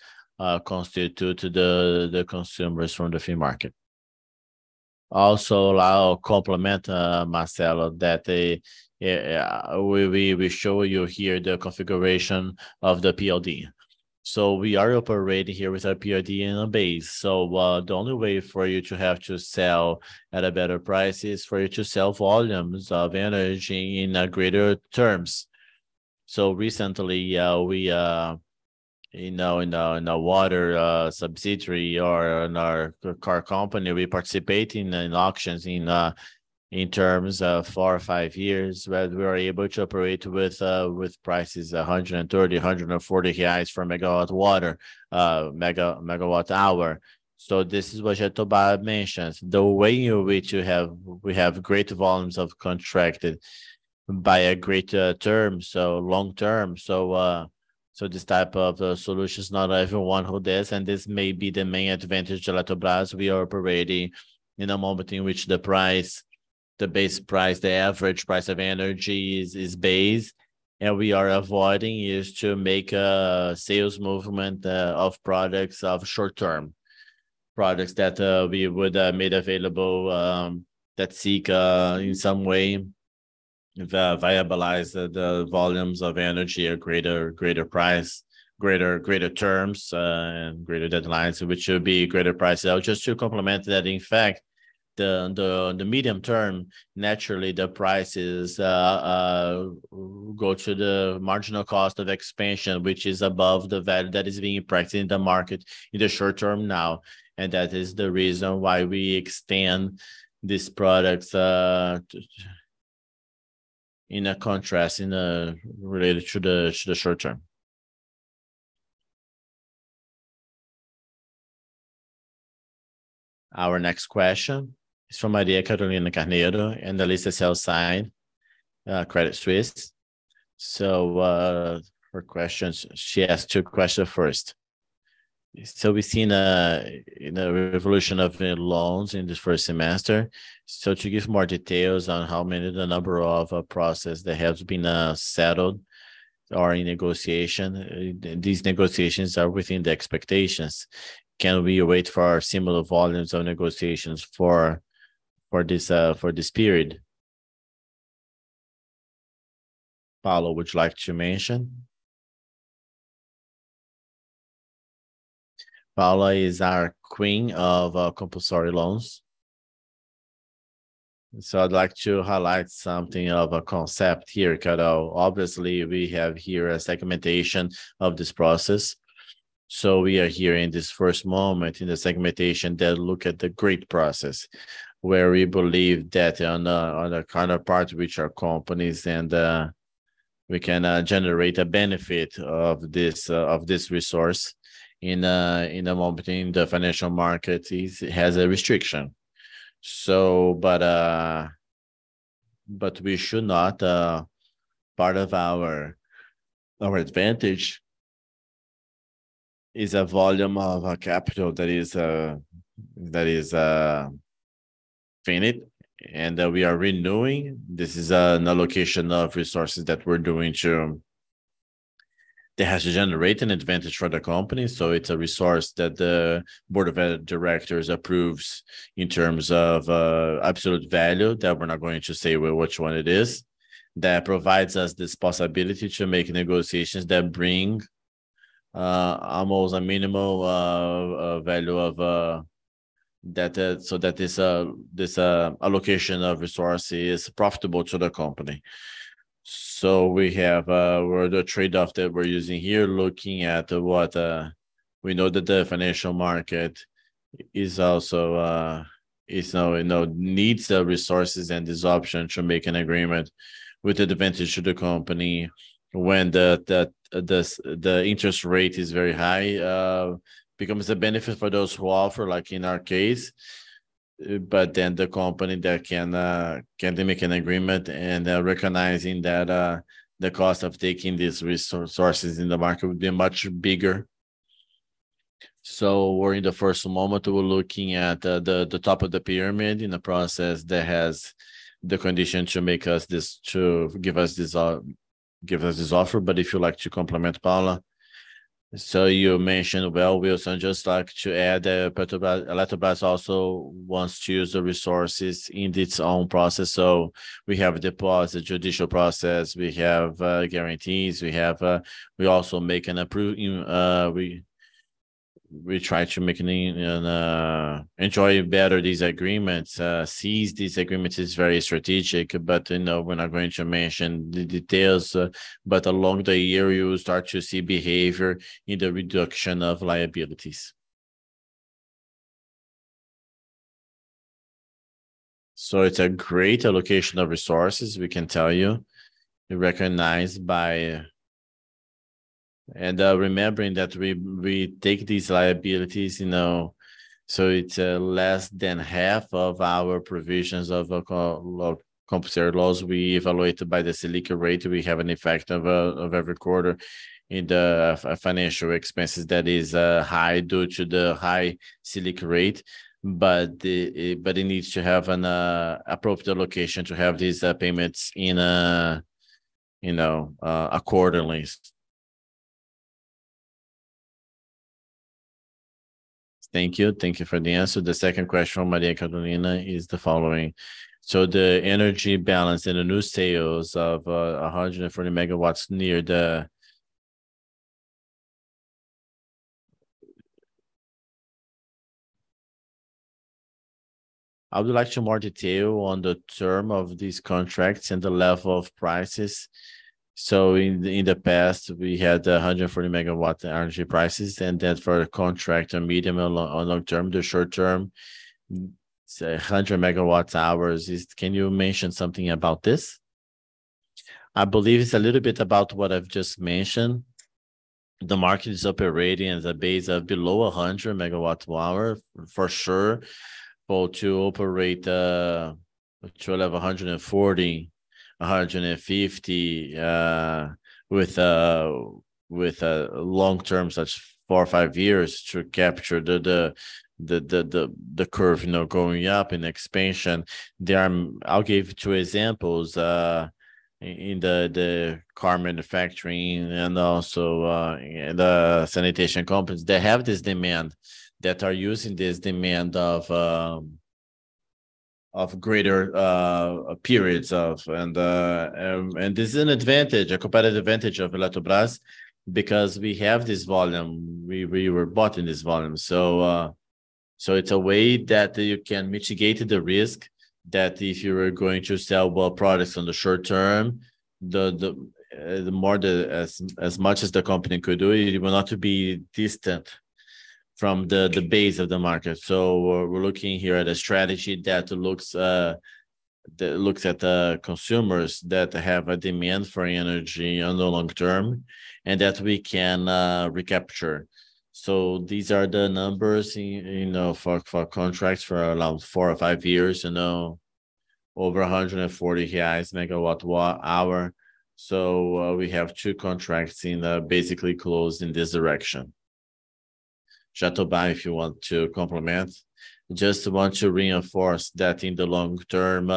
constitute to the consumers from the free market. I'll compliment Marcelo that we will show you here the configuration of the PLD. We are operating here with a PLD in a base. The only way for you to have to sell at a better price is for you to sell volumes of energy in greater terms. Recently, we in a water subsidiary or in our car company, we participate in auctions in terms of four or five years, where we are able to operate with prices 130, 140 reais for megawatt water mega-megawatt hour. This is what Eletrobras mentions, the way in which you have... We have great volumes of contracted by a great term, so long term. This type of solution is not everyone who does, and this may be the main advantage of Eletrobras. We are operating in a moment in which the price, the base price, the average price of energy is base, and we are avoiding is to make a sales movement of products of short term. Products that we would made available that seek in some way, viabilize the volumes of energy a greater price, greater terms, and greater deadlines, which would be greater prices. Just to complement that, in fact, the medium term, naturally, the prices go to the marginal cost of expansion, which is above the value that is being practiced in the market in the short term now, and that is the reason why we extend these products in a contrast, related to the short term. Our next question is from Maria Carolina Carneiro and Elisa, Credit Suisse. Her questions, she asked two question first. "We've seen a, you know, revolution of loans in this first semester. To give more details on how many the number of process that has been settled or in negotiation, these negotiations are within the expectations. Can we await for similar volumes of negotiations for this period? Paula, would you like to mention? Paula is our queen of compulsory loans. I'd like to highlight something of a concept here, because obviously we have here a segmentation of this process. We are here in this first moment in the segmentation that look at the great process, where we believe that on a counterpart, which are companies and we can generate a benefit of this resource in a moment in the financial market is, has a restriction. We should not... Part of our advantage is a volume of a capital that is, that is, finite and that we are renewing. This is an allocation of resources that we're doing to. That has to generate an advantage for the company. It's a resource that the board of directors approves in terms of absolute value that we're not going to say which one it is, that provides us this possibility to make negotiations that bring almost a minimal value of data, so that this allocation of resource is profitable to the company. We have where the trade-off that we're using here, looking at what, we know that the financial market is also, is now, you know, needs resources and this option to make an agreement with the advantage to the company when the interest rate is very high, becomes a benefit for those who offer, like in our case. The company that can then make an agreement and, recognizing that, the cost of taking these resources in the market would be much bigger. We're in the first moment, we're looking at the top of the pyramid in a process that has the condition to make us this, to give us this, give us this offer. But if you like to complement, Paula. You mentioned well, Wilson, just like to add, Eletrobras also wants to use the resources in its own process. We have deposit, judicial process, we have guarantees, you know, we try to make an enjoy better these agreements. Seize these agreements is very strategic, but, you know, we're not going to mention the details. Along the year, you start to see behavior in the reduction of liabilities. It's a great allocation of resources, we can tell you. Recognized by. Remembering that we take these liabilities, you know, it's less than half of our provisions of co-lo-compulsory laws. We evaluate by the SELIC rate. We have an effect of every quarter in the financial expenses that is high due to the high SELIC rate. It needs to have an appropriate allocation to have these payments in, you know, accordingly. Thank you. Thank you for the answer. The second question from Maria Carolina is the following. The energy balance in the new sales of 140 megawatts. I would like some more detail on the term of these contracts and the level of prices. In the past, we had 140 megawatt energy prices and then for a contract on long term, the short term, say, 100 megawatts hours. Can you mention something about this? I believe it's a little bit about what I've just mentioned. The market is operating as a base of below 100 megawatts an hour for sure, but to operate to a level 140, 150 with a long term, such four or five years to capture the curve, you know, going up in expansion. I'll give 2 examples. In the car manufacturing and also the sanitation companies, they have this demand, that are using this demand of greater periods of, and this is an advantage, a competitive advantage of Eletrobras because we have this volume. We were bought in this volume. It's a way that you can mitigate the risk that if you were going to sell well products on the short term, the more the, as much as the company could do, it will not to be distant from the base of the market. We're looking here at a strategy that looks, that looks at the consumers that have a demand for energy on the long term, and that we can recapture. These are the numbers in, you know, for contracts for around four or five years, you know, over 140 GIs, megawatt hour. We have two contracts in basically closed in this direction. Jatobá, if you want to complement. Just want to reinforce that in the long term,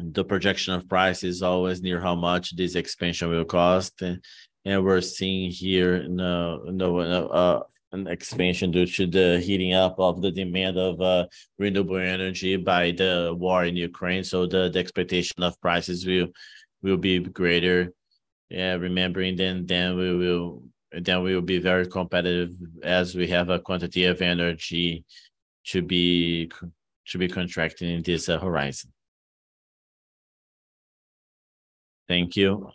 the projection of price is always near how much this expansion will cost. We're seeing here, you know, an expansion due to the heating up of the demand of renewable energy by the war in Ukraine. The expectation of prices will be greater. Yeah, remembering then we will be very competitive as we have a quantity of energy to be contracting in this horizon. Thank you.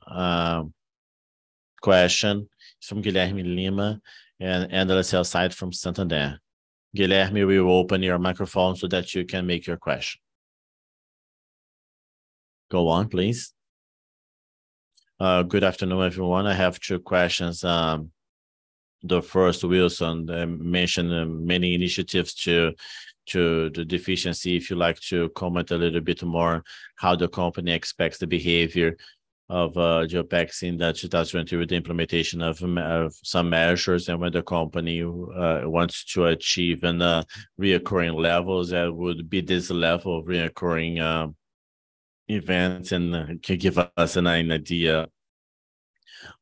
Question from Guilherme Lima and LCL side from Santander. Guilherme, we will open your microphone so that you can make your question. Go on, please. Good afternoon, everyone. I have two questions. The first, Wilson mentioned many initiatives to the deficiency. If you'd like to comment a little bit more how the company expects the behavior of OpEx in 2023 with the implementation of some measures and what the company wants to achieve in the recurring levels. That would be this level of recurring events and can give us an idea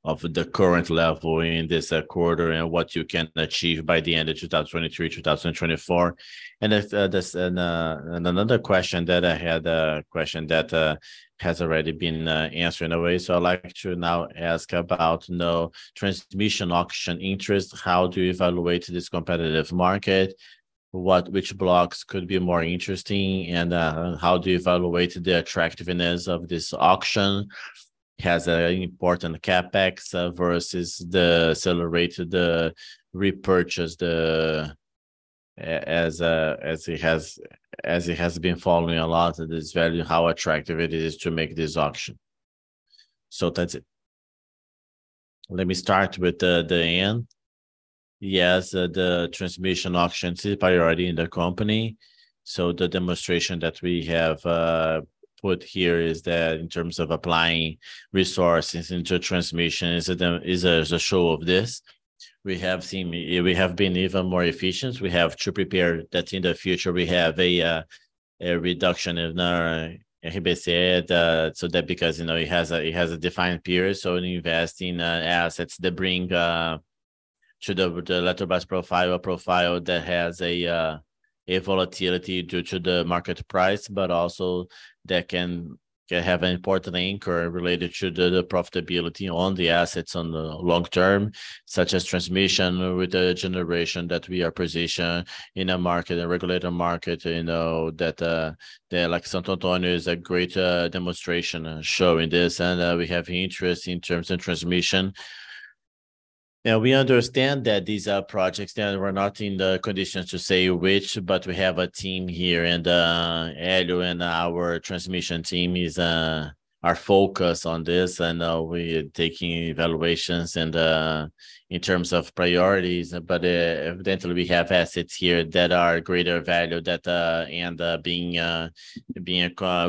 of the current level in this quarter and what you can achieve by the end of 2023, 2024. If, this, and another question that I had, a question that has already been answered in a way. I'd like to now ask about, you know, transmission auction interest. How do you evaluate this competitive market? Which blocks could be more interesting and, how do you evaluate the attractiveness of this auction? Has important CapEx versus the accelerated repurchase, as it has been following a lot of this value, how attractive it i s to make this auction. That's it. Let me start with the end. Yes, the transmission auction is a priority in the company. The demonstration that we have put here is that in terms of applying resources into transmission is a show of this. We have seen, we have been even more efficient. We have to prepare that in the future we have a reduction in our EBECE, so that because, you know, it has a defined period. Investing assets that bring to the Eletrobras profile, a profile that has a volatility due to the market price, but also that can have an important link or related to the profitability on the assets on the long term, such as transmission with the generation that we are positioned in a market, a regulator market, you know, that the Lake Santo Antônio is a great demonstration showing this. We have interest in terms of transmission. Yeah, we understand that these are projects that we're not in the conditions to say which, but we have a team here and Élio and our transmission team are focused on this and we are taking evaluations and in terms of priorities. Evidently we have assets here that are greater value that and being a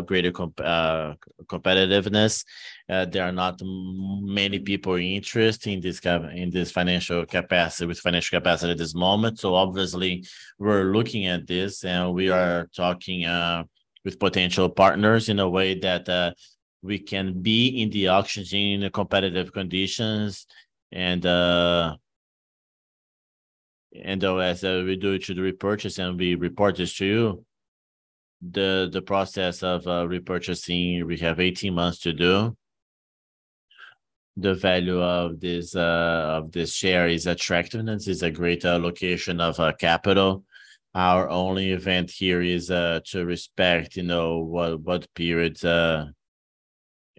greater competitiveness. There are not many people interested in this financial capacity, with financial capacity at this moment. Obviously we're looking at this and we are talking with potential partners in a way that we can be in the auction scene in a competitive conditions and as we do to the repurchase, and we report this to you. The process of repurchasing, we have 18 months to do. The value of this of this share is attractiveness, is a great allocation of capital. Our only event here is to respect, you know, what periods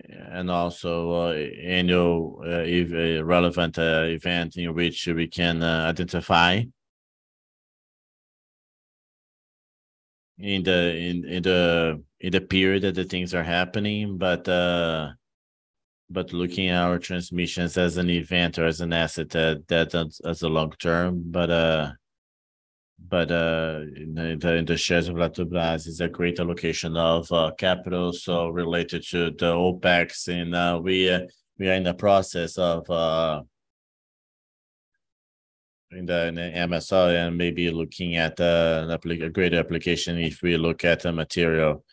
and also annual if a relevant event in which we can identify. In the period that things are happening, but looking at our transmissions as an event or as an asset, that as a long term. In the shares of Eletrobras is a great allocation of capital, related to the OpEx. We are in the process of in the MSR and maybe looking at a great application if we look at the material.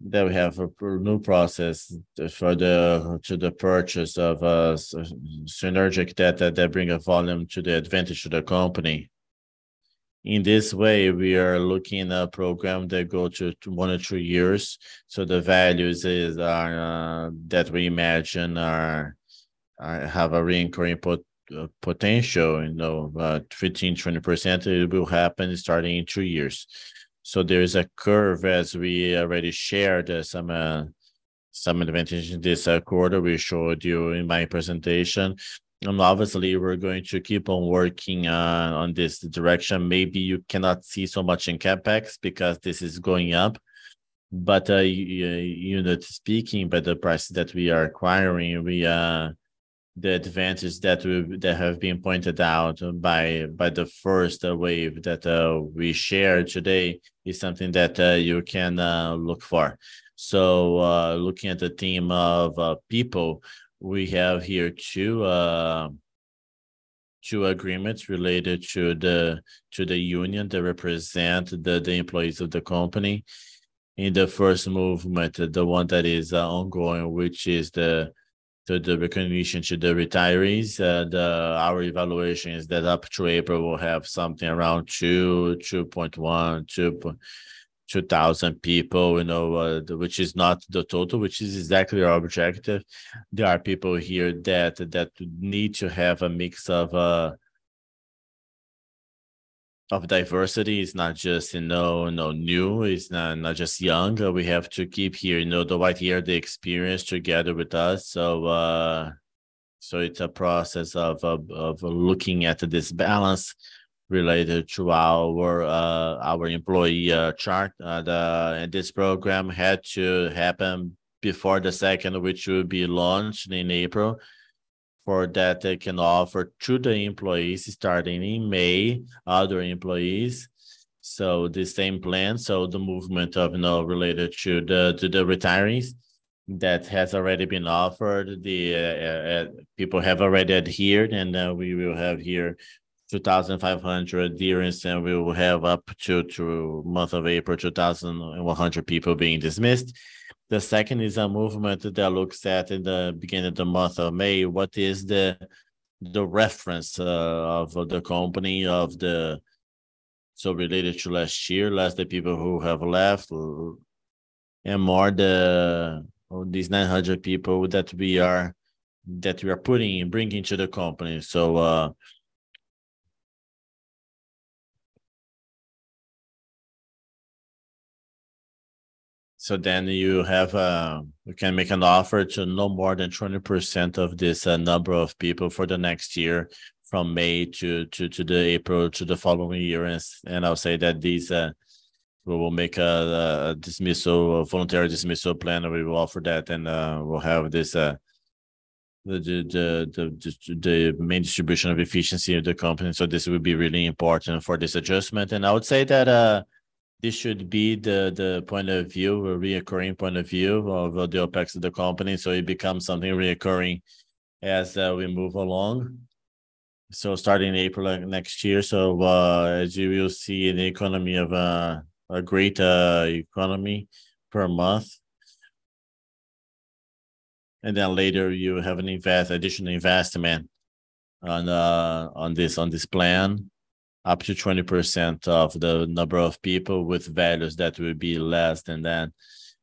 That we have a new process for the purchase of synergetic data that bring a volume to the advantage to the company. In this way, we are looking at a program that go to one to two years. The values are that we imagine are have a reoccurring potential, you know, 15%-20%. It will happen starting in two years. There is a curve as we already shared some advantage in this quarter we showed you in my presentation. Obviously, we're going to keep on working on this direction. Maybe you cannot see so much in CapEx because this is going up. Unit speaking, by the price that we are acquiring, we are. The advantage that has been pointed out by the first wave that we shared today is something that you can look for. Looking at the team of people, we have here two agreements related to the union that represent the employees of the company. In the first movement, the one that is ongoing, which is the recognition to the retirees. Our evaluation is that up to April, we'll have something around 2.1, 2,000 people, you know, which is not the total, which is exactly our objective. There are people here that need to have a mix of diversity. It's not just, you know, new. It's not just young. We have to keep here, you know, the wide year, the experience together with us. It's a process of looking at this balance related to our employee chart. This program had to happen before the second, which will be launched in April. For that, they can offer to the employees starting in May, other employees. The same plan, so the movement of, you know, related to the retirees that has already been offered. The people have already adhered, and we will have here 2,500 adherents, and we will have up to the month of April, 2,100 people being dismissed. The second is a movement that looks at, in the beginning of the month of May, what is the reference of the company, of the... Related to last year, less the people who have left and more these 900 people that we are putting and bringing to the company. You have, we can make an offer to no more than 20% of this number of people for the next year from May to the April, to the following year. I'll say that these, we will make a dismissal, a voluntary dismissal plan, and we will offer that. We'll have this the main distribution of efficiency of the company. This will be really important for this adjustment. I would say that this should be the point of view, a reoccurring point of view of the OpEx of the company. It becomes something reoccurring as we move along. Starting April next year, as you will see in the economy of a great economy per month. Later, you have an additional investment on this plan. Up to 20% of the number of people with values that will be less than that.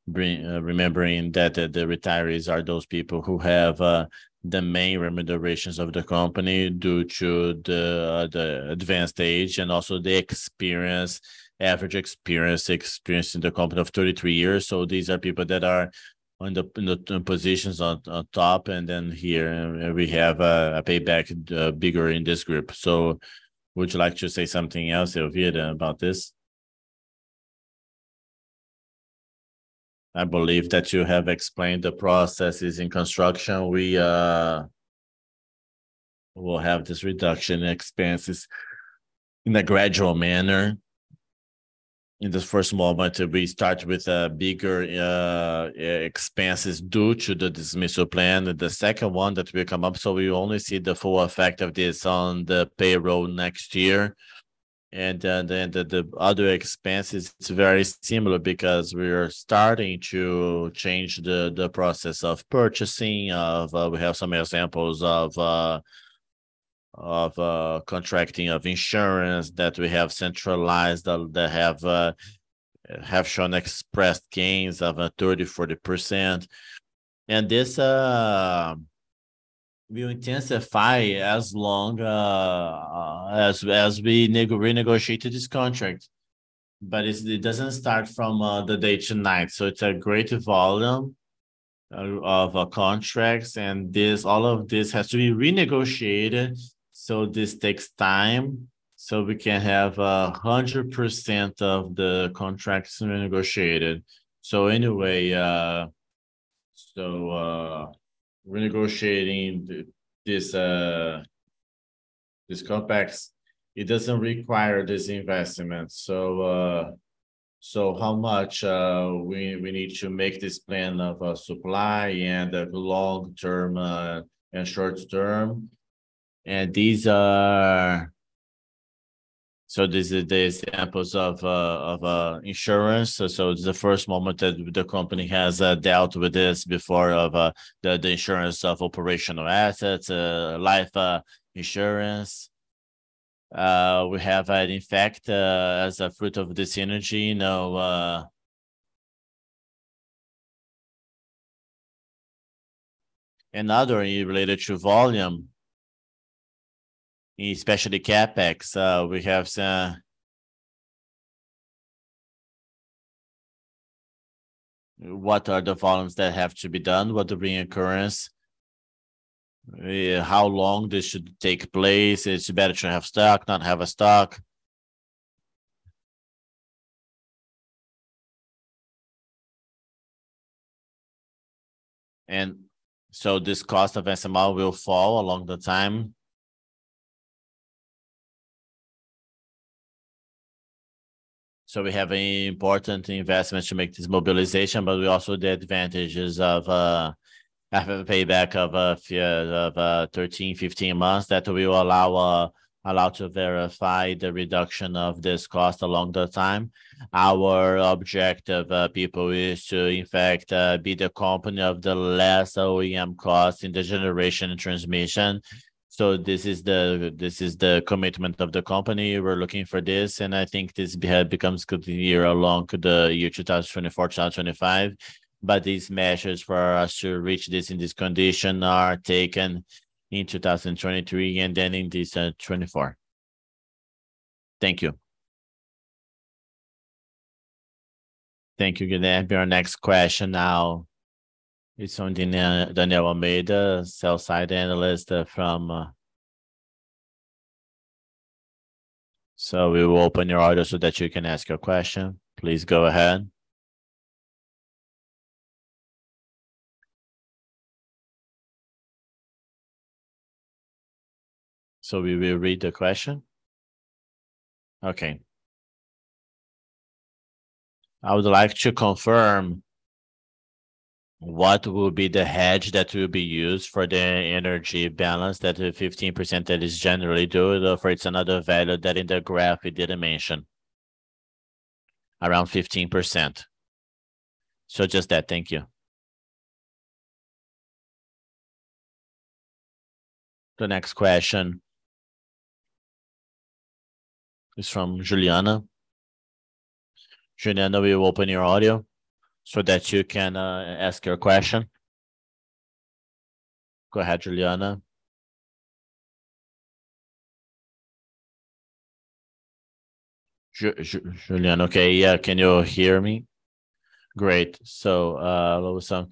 Remembering that the retirees are those people who have the main remunerations of the company due to the advanced age and also the experience in the company of 33 years. These are people that are on the positions on top. Here, we have a payback bigger in this group. Would you like to say something else, Elvira, about this? I believe that you have explained the processes in construction. We will have this reduction in expenses in a gradual manner. In the first moment, we start with bigger expenses due to the dismissal plan, the second one that will come up. We only see the full effect of this on the payroll next year. Then the other expense is very similar because we are starting to change the process of purchasing. We have some examples of contracting of insurance that we have centralized that have shown expressed gains of 30%-40%. This will intensify as long as we renegotiate this contract. It's it doesn't start from the day to night, it's a great volume of contracts. This, all of this has to be renegotiated, this takes time. We can have 100% of the contracts renegotiated. Renegotiating this CapEx, it doesn't require this investment. How much we need to make this plan of supply and the long term and short term. This is the examples of insurance. It's the first moment that the company has dealt with this before of the insurance of operational assets, life insurance. We have, in fact, as a fruit of this energy, you know, another related to volume, especially CapEx, we have what are the volumes that have to be done, what reoccurrence, how long this should take place. It's better to have stock, not have a stock. This cost of SML will fall along the time. We have important investments to make this mobilization, but we also the advantages of having a payback of 13-15 months that will allow to verify the reduction of this cost along the time. Our objective, people, is to, in fact, be the company of the less O&M cost in the generation and transmission. This is the commitment of the company. We're looking for this, and I think this becomes clear along the year 2024, 2025. These measures for us to reach this in this condition are taken in 2023 and then in this 24. Thank you. Thank you again. For your next question now, it's from Daniel Almeida, Sell-side Analyst from...We will open your audio so that you can ask your question. Please go ahead. We will read the question. Okay. I would like to confirm what will be the hedge that will be used for the energy balance, that the 15% that is generally due or if it's another value that in the graph we didn't mention. Around 15%. Just that. Thank you. The next question is from Juliana. Juliana, we will open your audio so that you can ask your question. Go ahead, Juliana. Juliana. Okay. Yeah. Can you hear me? Great. 罗 森,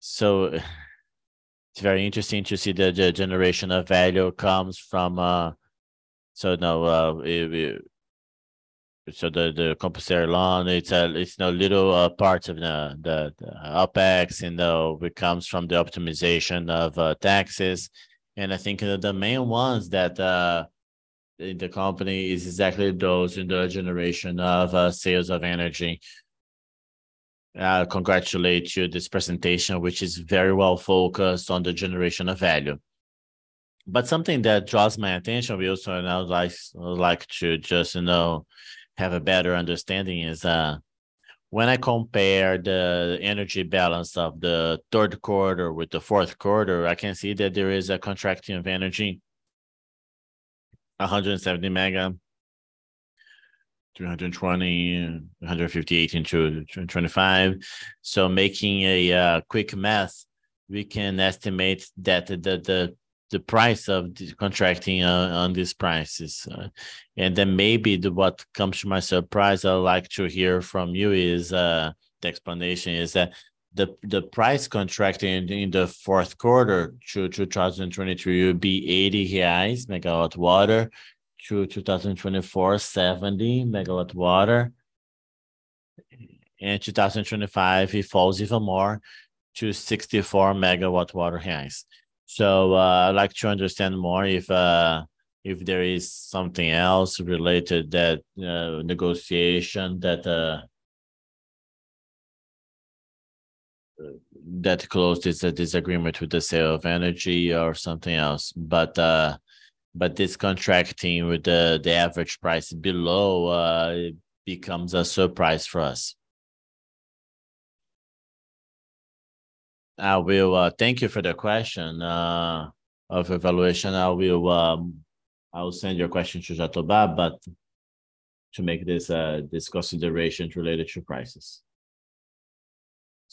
so it's very interesting to see the generation of value comes from so now we So the compulsory loan, it's now little parts of the OpEx and it comes from the optimization of taxes. I think the main ones that the company is exactly those in the generation of sales of energy. I congratulate you this presentation, which is very well focused on the generation of value. Something that draws my attention also, and I would like to just, you know, have a better understanding is when I compare the energy balance of the third quarter with the fourth quarter, I can see that there is a contracting of energy, 170 mega, 320, 158 in 2, 25. Making a quick math, we can estimate that the price of the contracting on these prices. What comes to my surprise, I would like to hear from you is the explanation is that the price contracting in the fourth quarter to 2022 would be 80 reais megawatt water. 2024, 70 BRL megawatt water. In 2025, it falls even more to 64 BRL megawatt water. I'd like to understand more if there is something else related that negotiation that closed is a disagreement with the sale of energy or something else. But this contracting with the average price below becomes a surprise for us. I will thank you for the question of evaluation. I will send your question to Jatobá, but to make this consideration related to prices.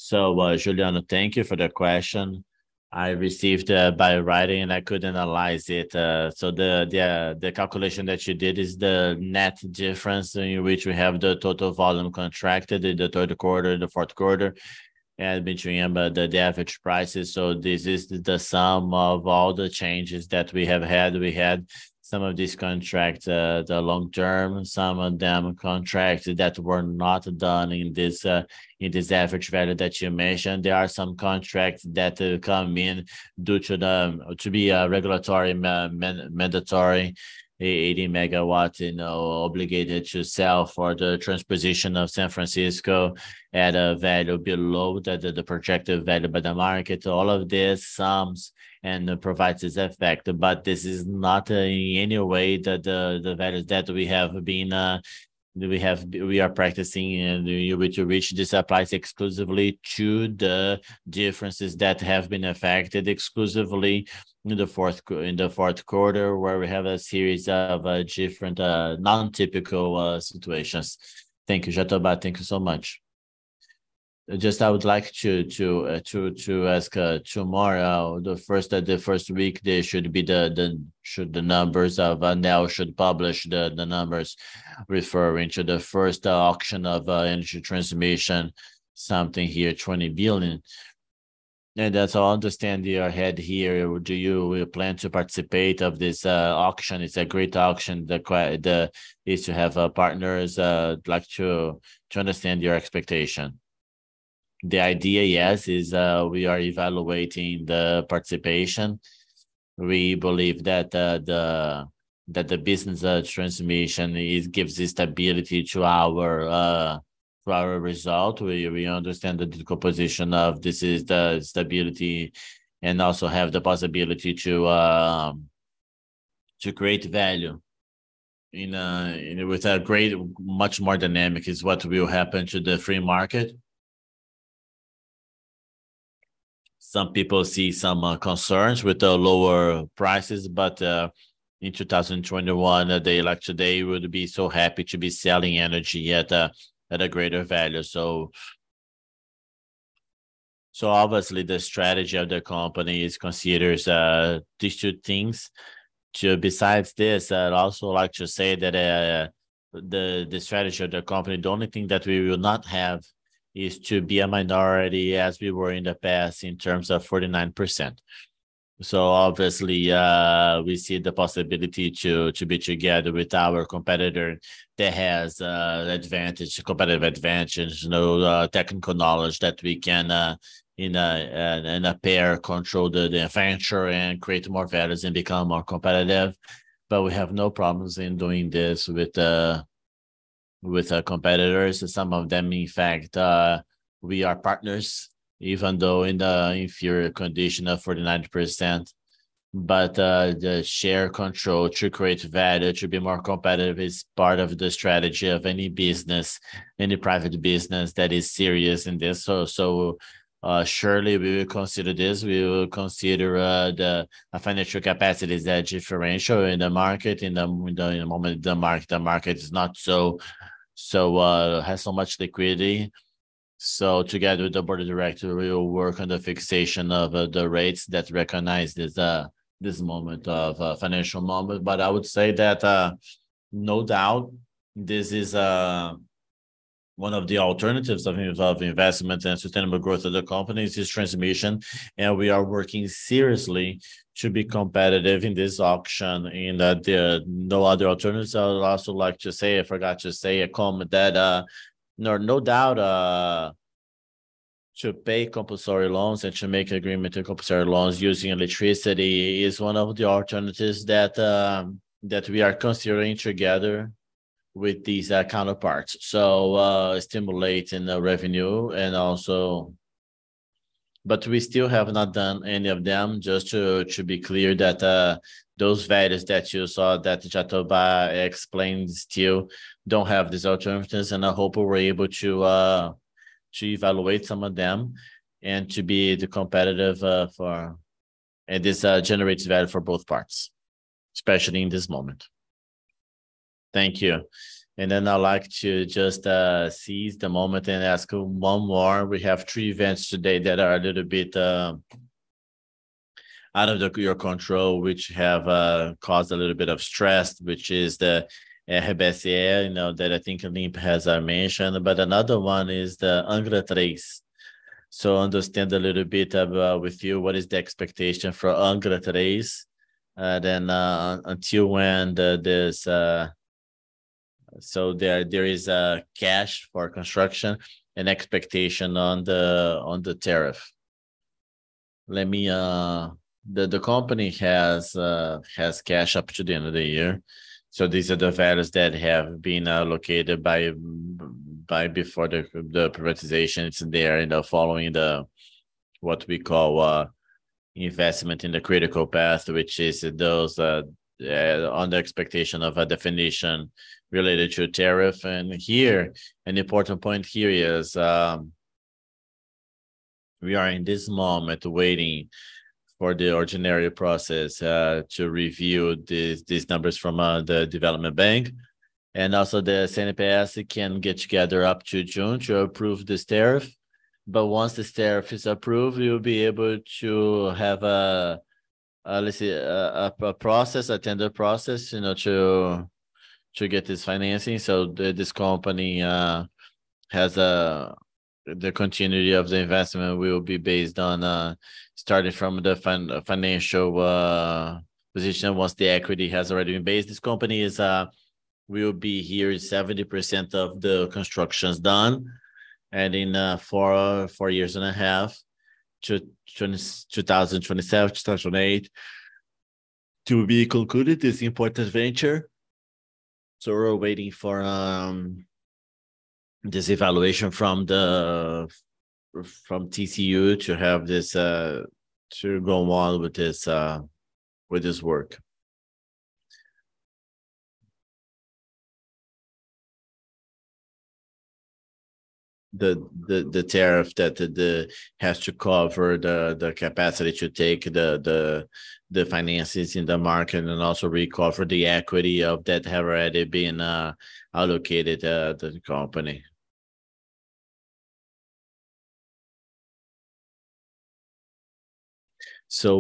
Juliano, thank you for the question. I received, by writing, and I could analyze it. The, the calculation that you did is the net difference in which we have the total volume contracted in the third quarter and the fourth quarter, and between them, the average prices. This is the sum of all the changes that we have had. We had some of these contracts, the long term, some of them contracts that were not done in this, in this average value that you mentioned. There are some contracts that come in to be regulatory mandatory, 80 megawatts, you know, obligated to sell for the transposition of San Francisco at a value below the projected value by the market. All of this sums and provides this effect. This is not in any way the values that we have been that we are practicing and we to reach. This applies exclusively to the differences that have been affected exclusively in the fourth quarter, where we have a series of different non-typical situations. Thank you, Jatobá. Thank you so much. Just I would like to ask, tomorrow, the first week there should be the numbers of now should publish the numbers referring to the first auction of energy transmission, something here, 20 billion. As I understand you're ahead here, do you plan to participate of this auction? It's a great auction. Is to have partners. I'd like to understand your expectation. The idea, yes, is, we are evaluating the participation. We believe that the business, transmission is, gives the stability to our result. We understand the difficult position of this is the stability and also have the possibility to create value with a great, much more dynamic is what will happen to the free market. Some people see some concerns with the lower prices, but in 2021, a day like today, you would be so happy to be selling energy at a greater value. Obviously, the strategy of the company considers these two things. Besides this, I'd also like to say that the strategy of the company, the only thing that we will not have is to be a minority as we were in the past in terms of 49%. Obviously, we see the possibility to be together with our competitor that has advantage, competitive advantage, you know, technical knowledge that we can, in a pair, control the adventure and create more values and become more competitive. We have no problems in doing this with our competitors. Some of them, in fact, we are partners, even though in the inferior condition of 49%. The share control to create value, to be more competitive is part of the strategy of any business, any private business that is serious in this. Surely we will consider this. We will consider the financial capacities, the differential in the market, in the moment the market is not so has so much liquidity. Together with the board of directors, we will work on the fixation of the rates that recognize this moment of financial moment. I would say that no doubt this is one of the alternatives of investment and sustainable growth of the company is this transmission. We are working seriously to be competitive in this auction, and that there are no other alternatives. I would also like to say, I forgot to say a comment that, no doubt, to pay compulsory loans and to make agreement to compulsory loans using electricity is one of the alternatives that we are considering together with these counterparts. Stimulating the revenue and also... We still have not done any of them, just to be clear that those values that you saw, that Jatobá explained still don't have these alternatives. I hope we're able to evaluate some of them and to be the competitive for... This generates value for both parts, especially in this moment. Thank you. Then I'd like to just seize the moment and ask one more. We have three events today that are a little bit out of your control, which have caused a little bit of stress, which is the RBSE, you know, that I think Limp has mentioned. Another one is the Angra 3. Understand a little bit with you what is the expectation for Angra 3, until when this... There is cash for construction and expectation on the tariff. Let me, the company has cash up to the end of the year. These are the values that have been allocated by before the privatization. It's in there, you know, following what we call investment in the critical path, which is those on the expectation of a definition related to tariff. Here, an important point is, we are in this moment waiting for the ordinary process to review these numbers from the development bank and also the CNPE can get together up to June to approve this tariff. Once this tariff is approved, we will be able to have a, let's say, a process, a tender process, you know, to get this financing. This company has the continuity of the investment will be based on starting from the financial position once the equity has already been based. This company will be here 70% of the constructions done and in four years and a half to 2027, 2028 to be concluded this important venture. We're waiting for this evaluation from TCU to have this to go on with this work. The tariff that has to cover the capacity to take the finances in the market and also recover the equity of that have already been allocated to the company.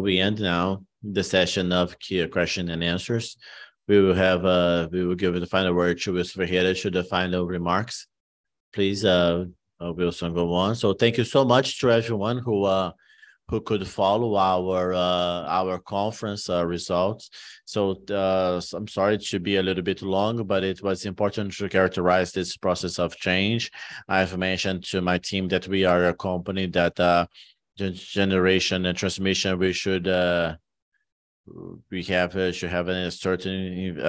We end now the session of question and answers. We will have, we will give the final word to Mr. Ferreira to the final remarks. Please, we'll soon go on. Thank you so much to everyone who could follow our conference results. I'm sorry it should be a little bit long, but it was important to characterize this process of change. I've mentioned to my team that we are a company that generation and transmission, we should have a certain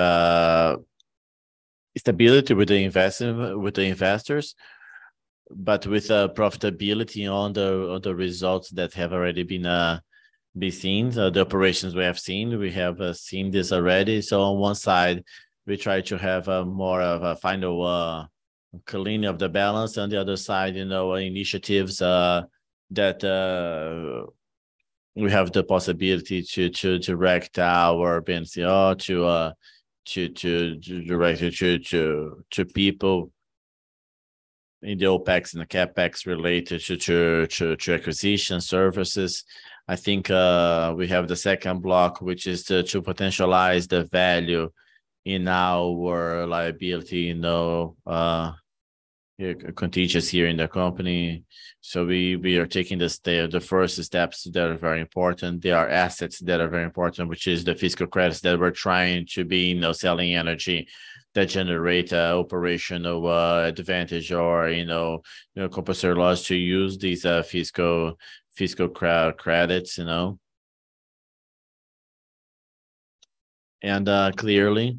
stability with the investors. With profitability on the results that have already been seen, the operations we have seen. We have seen this already. On one side we try to have more of a final cleaning of the balance. On the other side, you know, initiatives that we have the possibility to wreck our BNCO to people in the OpEx and the CapEx related to acquisition services. I think we have the second block, which is to potentialize the value in our liability, you know, contagious here in the company. We are taking the first steps that are very important. They are assets that are very important, which is the fiscal credits that we're trying to be, you know, selling energy that generate operational advantage or, you know, you know, compulsory laws to use these fiscal credits, you know. Clearly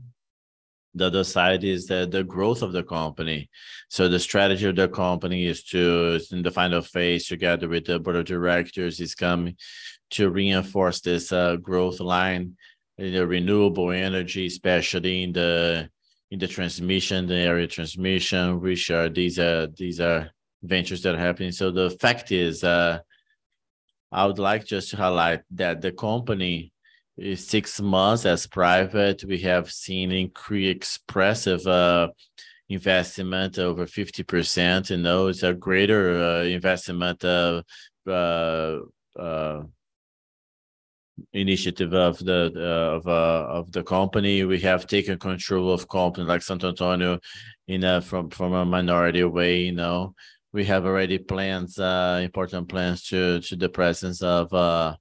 the other side is the growth of the company. The strategy of the company is to, in the final phase, together with the board of directors, is coming to reinforce this growth line in the renewable energy, especially in the transmission, the area transmission, which are these are ventures that are happening. The fact is, I would like just to highlight that the company is six months as private. We have seen increase expressive investment over 50%, you know. It's a greater investment initiative of the company. We have taken control of company like Santo Antônio in a minority way, you know. We have already plans, important plans to the presence of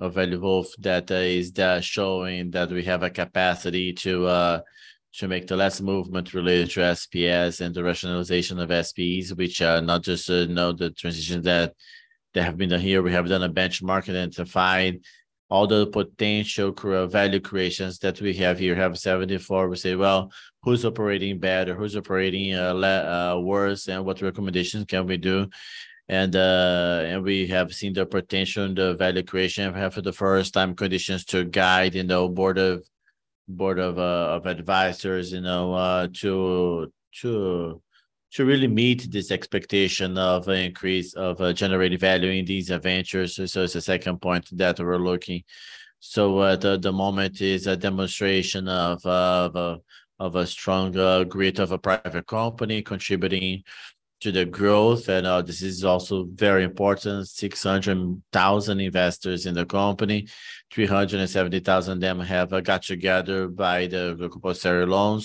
valuable data is that showing that we have a capacity to make the less movement related to SPS and the rationalization of SPEs, which are not just, you know, the transition that have been here. We have done a benchmark and to find all the potential value creations that we have here. We have 74. We say, "Well, who's operating better? Who's operating worse? And what recommendations can we do?" We have seen the potential and the value creation. We have for the first time conditions to guide, you know, board of advisors, you know, to really meet this expectation of an increase of generating value in these ventures. It's a second point that we're looking. The moment is a demonstration of a strong grid of a private company contributing to the growth. This is also very important, 600,000 investors in the company. 370,000 of them have got together by the compulsory loan.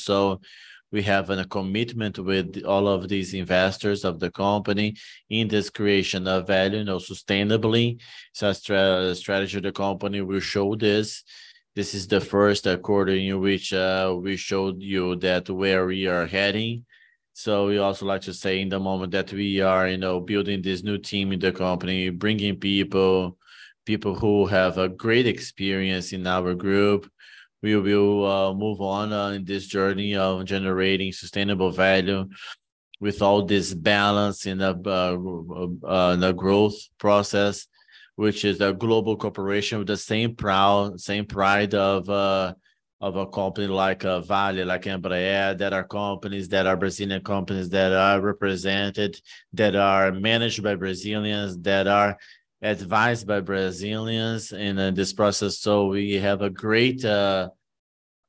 We have a commitment with all of these investors of the company in this creation of value, you know, sustainably. Strategy of the company will show this. This is the first quarter in which we showed you that where we are heading. We also like to say in the moment that we are, you know, building this new team in the company, bringing people who have a great experience in our group. We will move on in this journey of generating sustainable value with all this balance in the growth process, which is a global corporation with the same pride of a company like Vale, like EMBRAER, that are Brazilian companies that are represented, that are managed by Brazilians, that are advised by Brazilians in this process. We have a great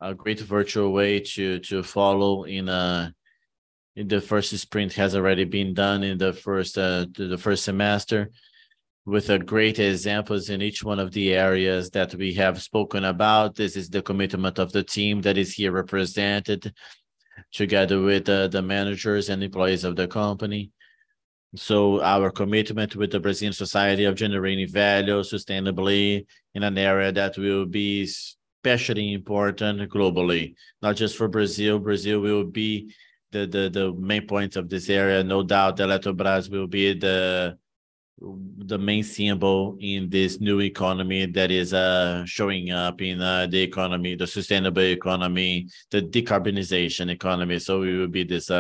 virtual way to follow in the first sprint has already been done in the first semester with great examples in each one of the areas that we have spoken about. This is the commitment of the team that is here represented together with the managers and employees of the company. Our commitment with the Brazilian society of generating value sustainably in an area that will be especially important globally, not just for Brazil. Brazil will be the main point of this area. No doubt Eletrobras will be the main symbol in this new economy that is showing up in the economy, the sustainable economy, the decarbonization economy. We will be this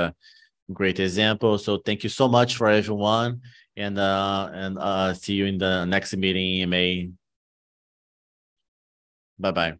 great example. Thank you so much for everyone and see you in the next meeting in May. Bye-bye.